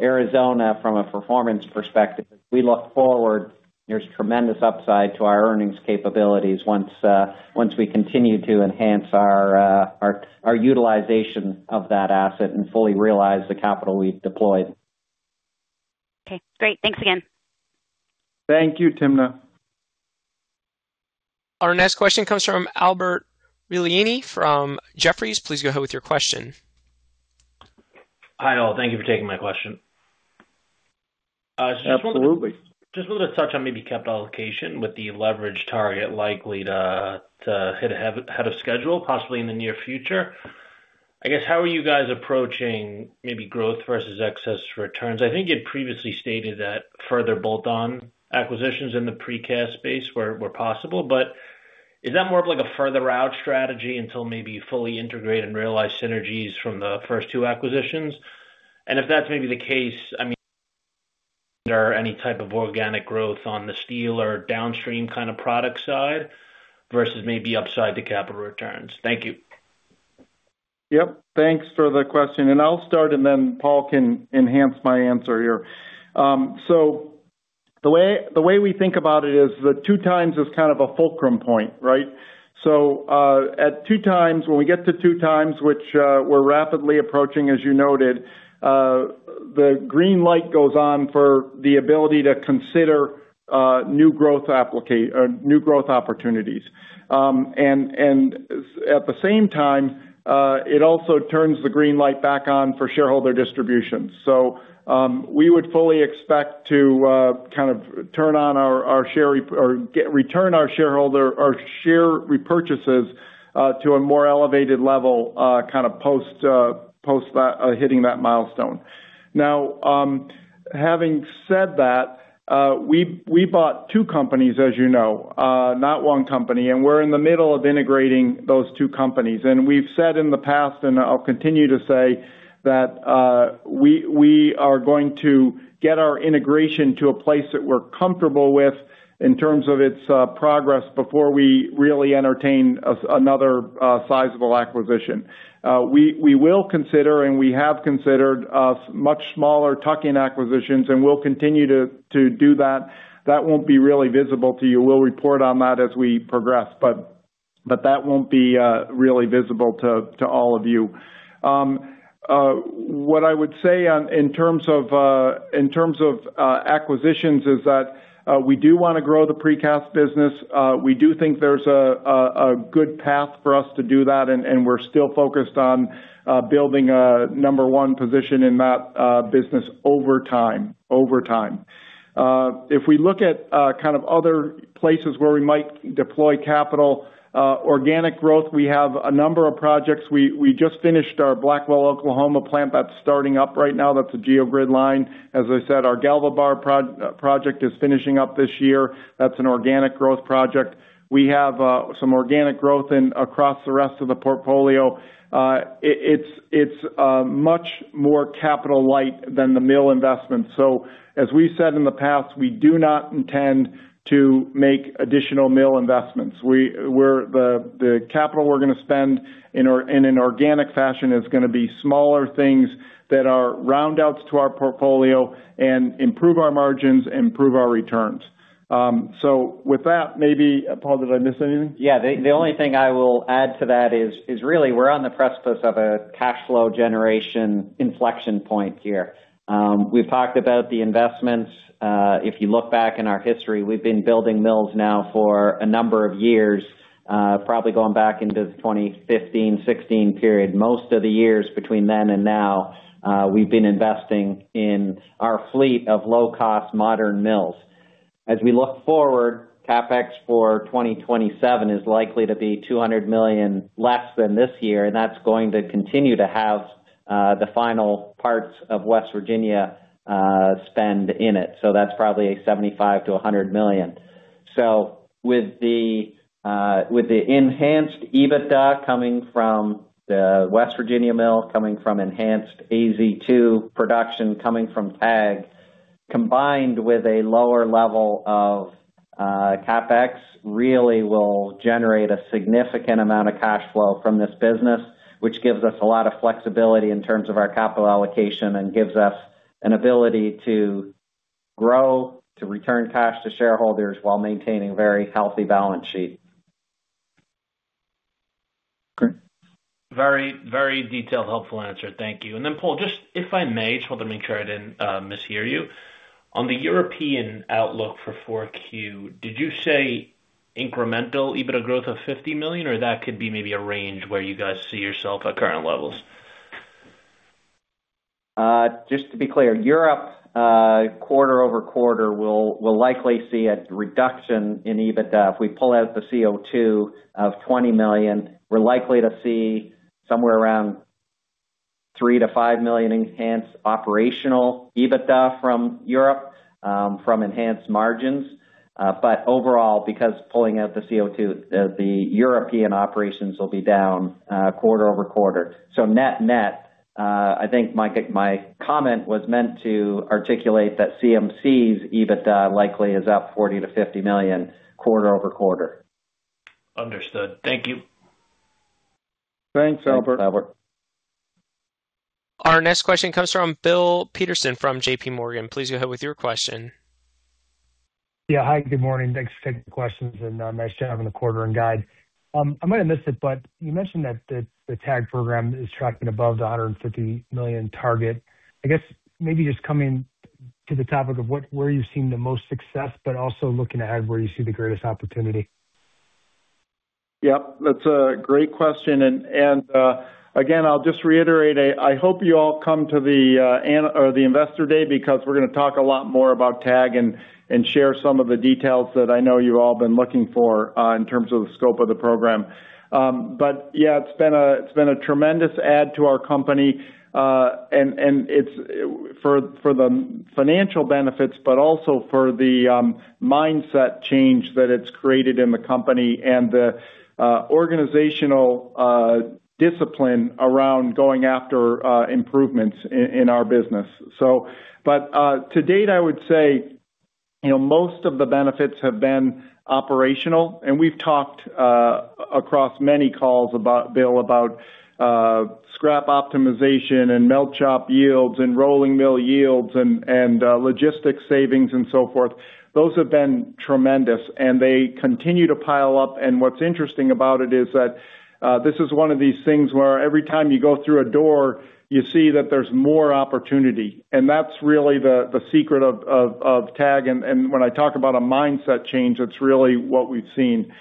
Arizona, from a performance perspective, as we look forward, there's tremendous upside to our earnings capabilities once we continue to enhance our utilization of that asset and fully realize the capital we've deployed. Okay, great. Thanks again. Thank you, Timna. Our next question comes from Albert Realini from Jefferies. Please go ahead with your question. Hi, all. Thank you for taking my question. Absolutely. Just wanted to touch on maybe capital allocation with the leverage target likely to hit ahead of schedule, possibly in the near future. I guess, how are you guys approaching maybe growth versus excess returns? I think you'd previously stated that further bolt-on acquisitions in the precast space were possible, but is that more of a further out strategy until maybe you fully integrate and realize synergies from the first two acquisitions? If that's maybe the case, I mean, are there any type of organic growth on the steel or downstream kind of product side versus maybe upside to capital returns? Thank you. Yep, thanks for the question. I'll start and then Paul can enhance my answer here. The way we think about it is the 2x is kind of a fulcrum point, right? At 2x, when we get to 2x, which we're rapidly approaching, as you noted, the green light goes on for the ability to consider new growth opportunities. At the same time, it also turns the green light back on for shareholder distributions. We would fully expect to kind of return our share repurchases to a more elevated level post hitting that milestone. Now, having said that, we bought two companies, as you know, not one company. We're in the middle of integrating those two companies. We've said in the past, I'll continue to say, that we are going to get our integration to a place that we're comfortable with in terms of its progress before we really entertain another sizable acquisition. We will consider and we have considered much smaller tuck-in acquisitions. We'll continue to do that. That won't be really visible to you. We'll report on that as we progress. But that won't be really visible to all of you. What I would say in terms of acquisitions is that we do want to grow the precast business. We do think there's a good path for us to do that. We're still focused on building a number one position in that business over time. If we look at other places where we might deploy capital, organic growth, we have a number of projects. We just finished our Blackwell, Oklahoma plant that is starting up right now. That is a geogrid line. As I said, our GalvaBar project is finishing up this year. That is an organic growth project. We have some organic growth across the rest of the portfolio. It is much more capital light than the mill investments. As we said in the past, we do not intend to make additional mill investments, where the capital we are going to spend in an organic fashion is going to be smaller things that are round outs to our portfolio and improve our margins, improve our returns. With that, maybe, Paul, did I miss anything? Yeah. The only thing I will add to that is really we are on the precipice of a cash flow generation inflection point here. We have talked about the investments. If you look back in our history, we have been building mills now for a number of years, probably going back into the 2015-2016 period. Most of the years between then and now, we have been investing in our fleet of low-cost modern mills. As we look forward, CapEx for 2027 is likely to be $200 million less than this year, and that is going to continue to have the final parts of West Virginia spend in it. That is probably a $75 million-$100 million. With the enhanced EBITDA coming from the West Virginia mill, coming from enhanced AZ2 production, coming from TAG, combined with a lower level of CapEx, really will generate a significant amount of cash flow from this business, which gives us a lot of flexibility in terms of our capital allocation and gives us an ability to grow, to return cash to shareholders while maintaining very healthy balance sheets. Great. Very detailed, helpful answer. Thank you. Paul, just if I may, just want to make sure I did not mishear you. On the European outlook for 4Q, did you say incremental EBITDA growth of $50 million, or that could be maybe a range where you guys see yourself at current levels? Just to be clear, Europe, quarter-over-quarter, will likely see a reduction in EBITDA. If we pull out the CO2 of $20 million, we're likely to see somewhere around $3 million-$5 million enhanced operational EBITDA from Europe from enhanced margins. Overall, because pulling out the CO2, the European operations will be down quarter-over-quarter. Net-net, I think my comment was meant to articulate that CMC's EBITDA likely is up $40 million-$50 million quarter-over-quarter. Understood. Thank you. Thanks, Albert. Our next question comes from Bill Peterson from JPMorgan. Please go ahead with your question. Yeah. Hi, good morning. Thanks for taking the questions and nice job on the quarter and guide. I might have missed it, but you mentioned that the TAG program is tracking above the $150 million target. I guess maybe just coming to the topic of where you're seeing the most success, but also looking ahead, where you see the greatest opportunity. Yep. That's a great question. Again, I'll just reiterate, I hope you all come to the Investor Day because we're going to talk a lot more about TAG and share some of the details that I know you all have been looking for in terms of the scope of the program. Yeah, it's been a tremendous add to our company. And it's for the financial benefits, but also for the mindset change that it's created in the company and the organizational discipline around going after improvements in our business. To-date, I would say most of the benefits have been operational, and we've talked across many calls, Bill, about scrap optimization and melt shop yields and rolling mill yields and logistics savings and so forth. Those have been tremendous, and they continue to pile up. What's interesting about it is that this is one of these things where every time you go through a door, you see that there's more opportunity. That's really the secret of TAG. When I talk about a mindset change, that's really what we've seen.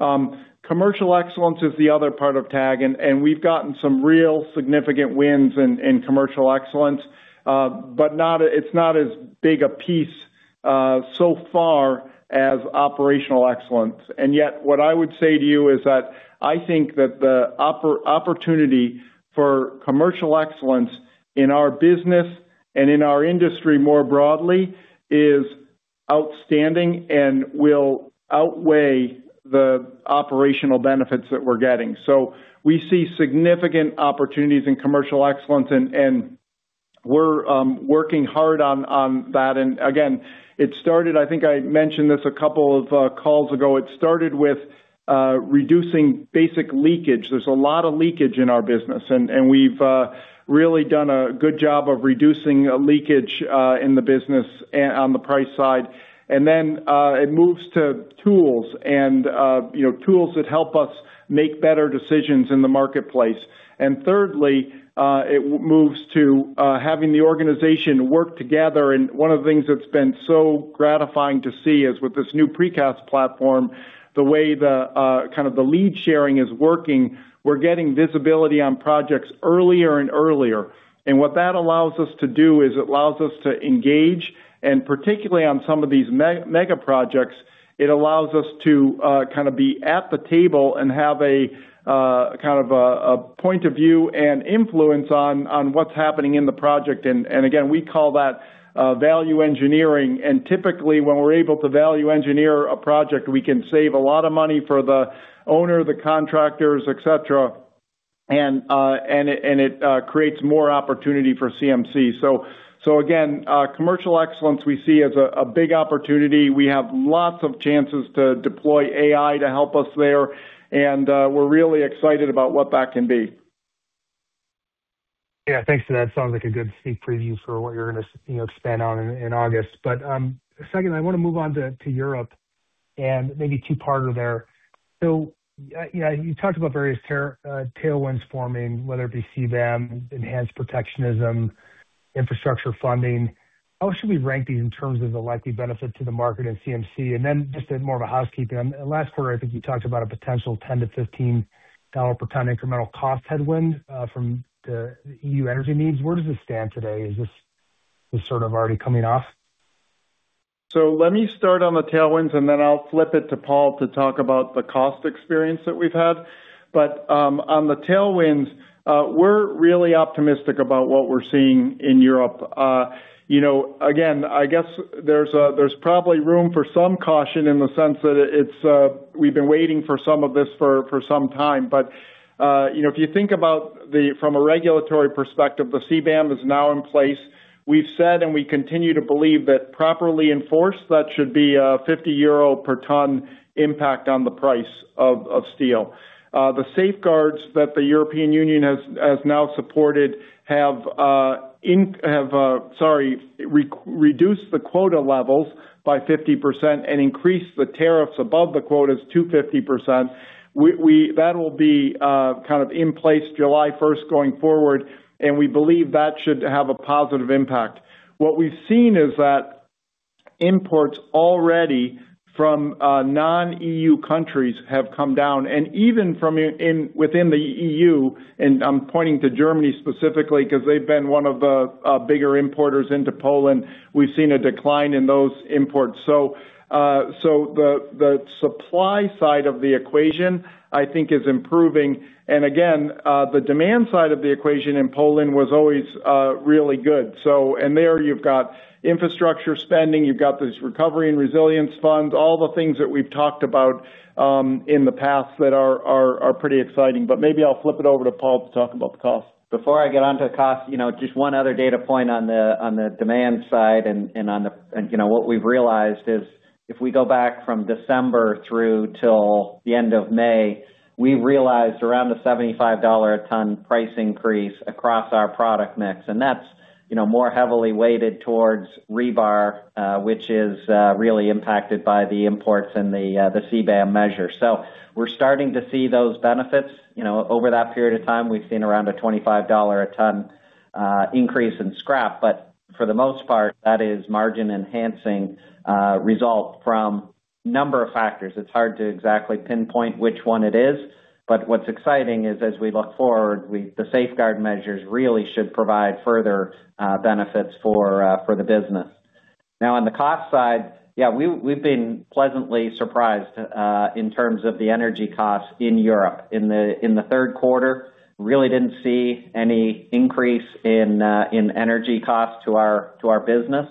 Commercial excellence is the other part of TAG, and we've gotten some real significant wins in commercial excellence. It's not as big a piece so far as operational excellence. Yet, what I would say to you is that I think that the opportunity for commercial excellence in our business and in our industry more broadly is outstanding and will outweigh the operational benefits that we're getting. We see significant opportunities in commercial excellence and we're working hard on that. Again, it started, I think I mentioned this a couple of calls ago, it started with reducing basic leakage. There's a lot of leakage in our business, and we've really done a good job of reducing leakage in the business on the price side. Then it moves to tools, and tools that help us make better decisions in the marketplace. Thirdly, it moves to having the organization work together. One of the things that's been so gratifying to see is with this new precast platform, the way the lead sharing is working, we're getting visibility on projects earlier and earlier. What that allows us to do is it allows us to engage, and particularly on some of these mega projects, it allows us to be at the table and have a point of view and influence on what's happening in the project. Again, we call that value engineering. Typically, when we're able to value engineer a project, we can save a lot of money for the owner, the contractors, et cetera, and it creates more opportunity for CMC. Again, commercial excellence we see as a big opportunity. We have lots of chances to deploy AI to help us there, and we're really excited about what that can be. Yeah, thanks for that. Sounds like a good sneak preview for what you're going to expand on in August. Secondly, I want to move on to Europe and maybe a two-parter there. You talked about various tailwinds forming, whether it be CBAM, enhanced protectionism, infrastructure funding. How should we rank these in terms of the likely benefit to the market and CMC? Then just as more of a housekeeping, last quarter, I think you talked about a potential $10-$15 per ton incremental cost headwind from the EU energy needs. Where does this stand today? Is this sort of already coming off? Let me start on the tailwinds, then I'll flip it to Paul to talk about the cost experience that we've had. On the tailwinds, we're really optimistic about what we're seeing in Europe. Again, I guess there's probably room for some caution in the sense that we've been waiting for some of this for some time. If you think about from a regulatory perspective, the CBAM is now in place. We've said, and we continue to believe that properly enforced, that should be a 50 euro per ton impact on the price of steel. The safeguards that the European Union has now supported have reduced the quota levels by 50% and increased the tariffs above the quotas to 50%. That'll be in place July 1st going forward, we believe that should have a positive impact. What we've seen is that imports already from non-EU countries have come down. Even from within the EU, I'm pointing to Germany specifically because they've been one of the bigger importers into Poland, we've seen a decline in those imports. The supply side of the equation, I think, is improving. Again, the demand side of the equation in Poland was always really good. There you've got infrastructure spending, you've got these Recovery and Resilience funds, all the things that we've talked about in the past that are pretty exciting. Maybe I'll flip it over to Paul to talk about the cost. Before I get onto cost, just one other data point on the demand side and what we've realized is if we go back from December through till the end of May, we realized around a $75 a ton price increase across our product mix, that's more heavily weighted towards rebar, which is really impacted by the imports and the CBAM measure. We're starting to see those benefits. Over that period of time, we've seen around a $25 a ton increase in scrap. For the most part, that is margin-enhancing result from a number of factors. It's hard to exactly pinpoint which one it is. What's exciting is, as we look forward, the safeguard measures really should provide further benefits for the business. On the cost side, yeah, we've been pleasantly surprised in terms of the energy cost in Europe. In the third quarter, really didn't see any increase in energy cost to our business.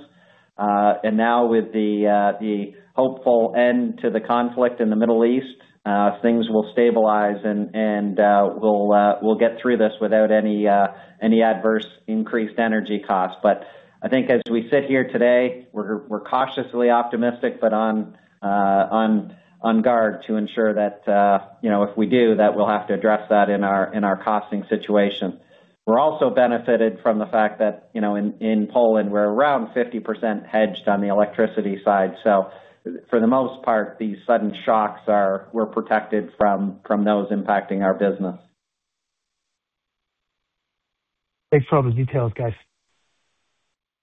With the hopeful end to the conflict in the Middle East, things will stabilize, and we'll get through this without any adverse increased energy costs. I think as we sit here today, we're cautiously optimistic, but on guard to ensure that if we do, that we'll have to address that in our costing situation. We're also benefited from the fact that in Poland, we're around 50% hedged on the electricity side. For the most part, these sudden shocks, we're protected from those impacting our business. Thanks for all those details, guys.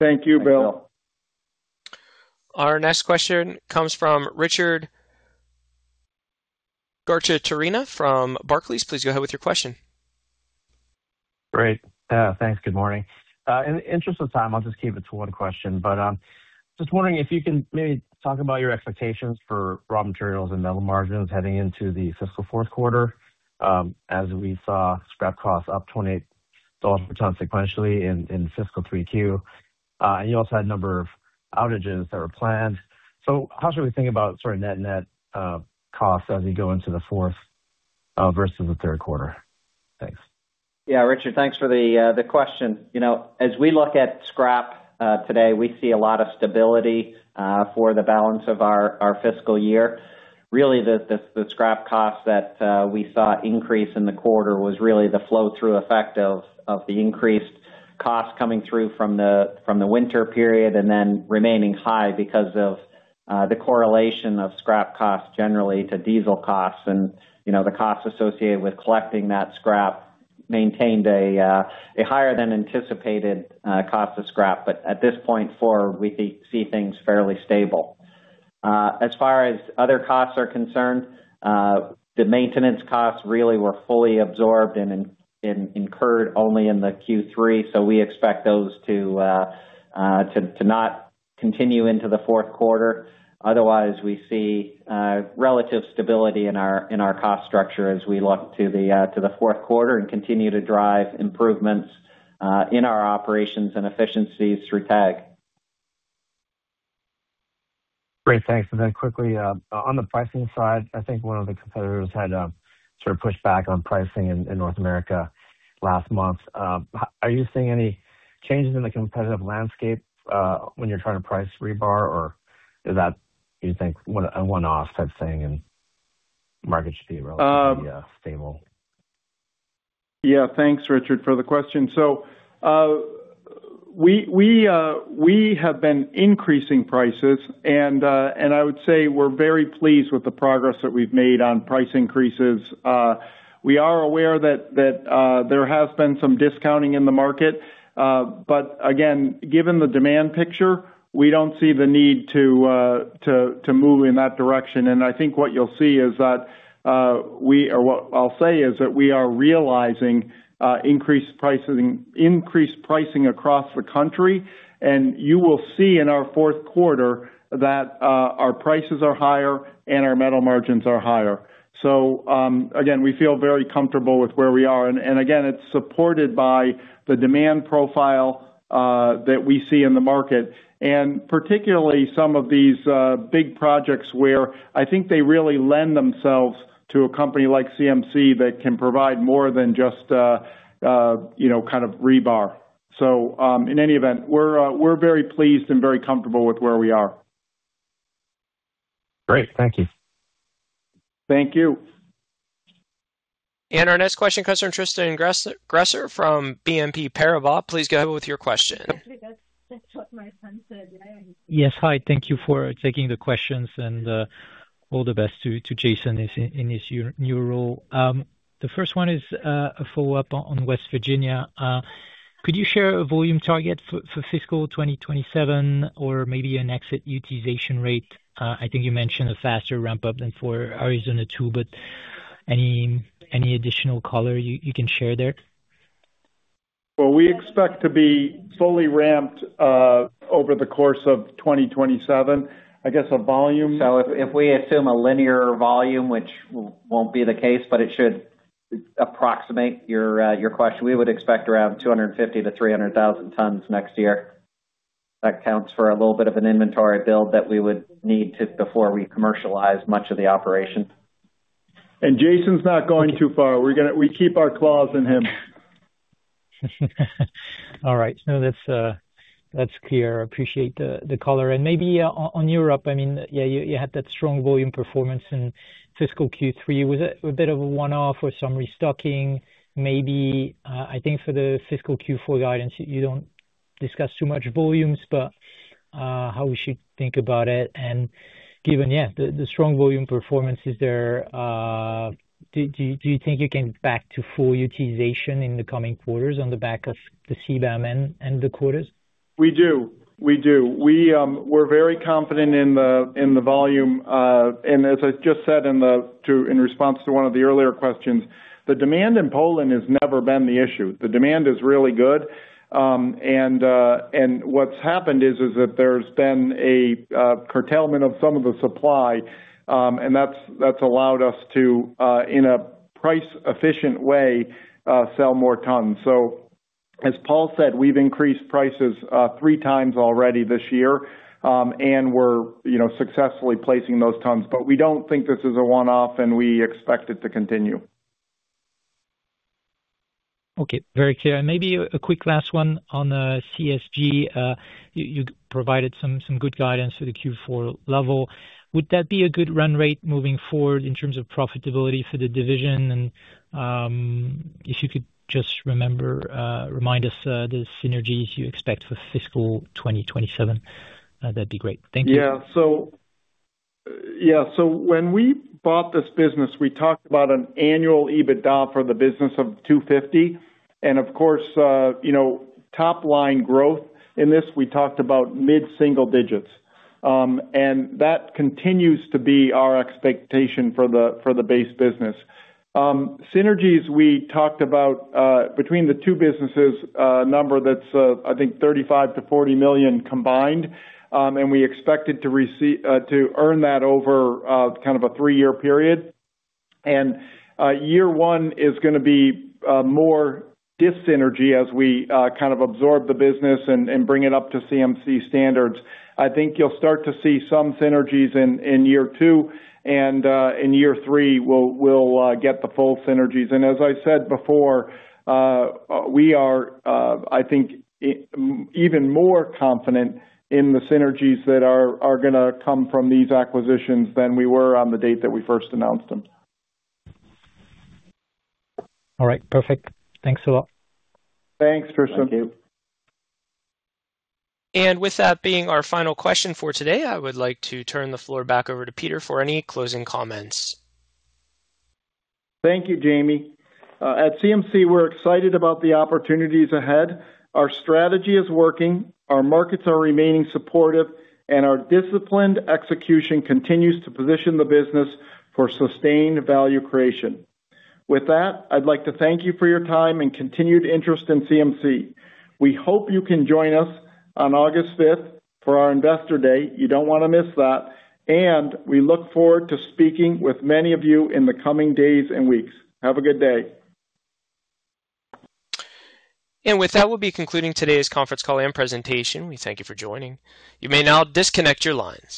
Thank you, Bill. Thanks, Bill. Our next question comes from Richard Garchitorena from Barclays. Please go ahead with your question. Great. Thanks. Good morning. In the interest of time, I'll just keep it to one question, but just wondering if you can maybe talk about your expectations for raw materials and metal margins heading into the fiscal fourth quarter. As we saw scrap costs up $28 per ton sequentially in fiscal 3Q. You also had a number of outages that were planned. How should we think about net net costs as we go into the fourth versus the third quarter? Thanks. Yeah, Richard, thanks for the question. As we look at scrap today, we see a lot of stability for the balance of our fiscal year. Really, the scrap cost that we saw increase in the quarter was really the flow-through effect of the increased cost coming through from the winter period, and then remaining high because of the correlation of scrap cost generally to diesel costs. The costs associated with collecting that scrap maintained a higher-than-anticipated cost of scrap. At this point forward, we see things fairly stable. As far as other costs are concerned, the maintenance costs really were fully absorbed and incurred only in the Q3, so we expect those to not continue into the fourth quarter. Otherwise, we see relative stability in our cost structure as we look to the fourth quarter and continue to drive improvements in our operations and efficiencies through TAG. Great. Thanks. Quickly, on the pricing side, I think one of the competitors had to sort of push back on pricing in North America last month. Are you seeing any changes in the competitive landscape when you're trying to price rebar? Or is that, you think, a one-off type thing and market should be relatively stable? Yeah. Thanks, Richard, for the question. We have been increasing prices, and I would say we're very pleased with the progress that we've made on price increases. We are aware that there has been some discounting in the market. Again, given the demand picture, we don't see the need to move in that direction. I think what I'll say is that we are realizing increased pricing across the country. You will see in our fourth quarter that our prices are higher and our metal margins are higher. Again, we feel very comfortable with where we are. Again, it's supported by the demand profile that we see in the market, and particularly some of these big projects where I think they really lend themselves to a company like CMC that can provide more than just rebar. In any event, we're very pleased and very comfortable with where we are. Great. Thank you. Thank you. Our next question comes from Tristan Gresser from BNP Paribas. Please go with your question. Yes. Hi, thank you for taking the questions, and all the best to Jason in his new role. The first one is a follow-up on West Virginia. Could you share a volume target for fiscal 2027 or maybe an exit utilization rate? I think you mentioned a faster ramp-up than for Arizona 2, but any additional color you can share there? Well, we expect to be fully ramped over the course of 2027. I guess, If we assume a linear volume, which won't be the case, but it should approximate your question, we would expect around 250,000 tons-300,000 tons next year. That counts for a little bit of an inventory build that we would need before we commercialize much of the operation. Jason's not going too far. We keep our claws in him. All right. No, that's clear. Appreciate the color. Maybe on Europe, you had that strong volume performance in fiscal Q3. Was that a bit of a one-off or some restocking, maybe? I think for the fiscal Q4 guidance, you don't discuss too much volumes, but how we should think about it, and given, yeah, the strong volume performance, do you think you came back to full utilization in the coming quarters on the back of the CBAM and the quotas? We do. We're very confident in the volume. As I just said in response to one of the earlier questions, the demand in Poland has never been the issue. The demand is really good. What's happened is that there's been a curtailment of some of the supply, and that's allowed us to, in a price-efficient way, sell more tons. As Paul said, we've increased prices three times already this year, and we're successfully placing those tons. We don't think this is a one-off, and we expect it to continue. Okay. Very clear. Maybe a quick last one on CSG. You provided some good guidance for the Q4 level. Would that be a good run-rate moving forward in terms of profitability for the division? And if you could just remind us the synergies you expect for fiscal 2027, that'd be great. Thank you. Yeah. When we bought this business, we talked about an annual EBITDA for the business of $250 million and, of course, top-line growth. In this, we talked about mid-single digits. That continues to be our expectation for the base business. Synergies, we talked about between the two businesses, a number that's I think $35 million-$40 million combined, and we expected to earn that over kind of a three-year period. Year one is going to be more dis-synergy as we kind of absorb the business and bring it up to CMC standards. I think you'll start to see some synergies in year two, and in year three, we'll get the full synergies. As I said before, we are, I think, even more confident in the synergies that are going to come from these acquisitions than we were on the date that we first announced them. All right. Perfect. Thanks a lot. Thanks, Tristan. Thank you. With that being our final question for today, I would like to turn the floor back over to Peter for any closing comments. Thank you, Jamie. At CMC, we're excited about the opportunities ahead. Our strategy is working, our markets are remaining supportive, and our disciplined execution continues to position the business for sustained value creation. With that, I'd like to thank you for your time and continued interest in CMC. We hope you can join us on August 5th for our Investor Day. You don't want to miss that. We look forward to speaking with many of you in the coming days and weeks. Have a good day. With that, we'll be concluding today's conference call and presentation. We thank you for joining. You may now disconnect your lines.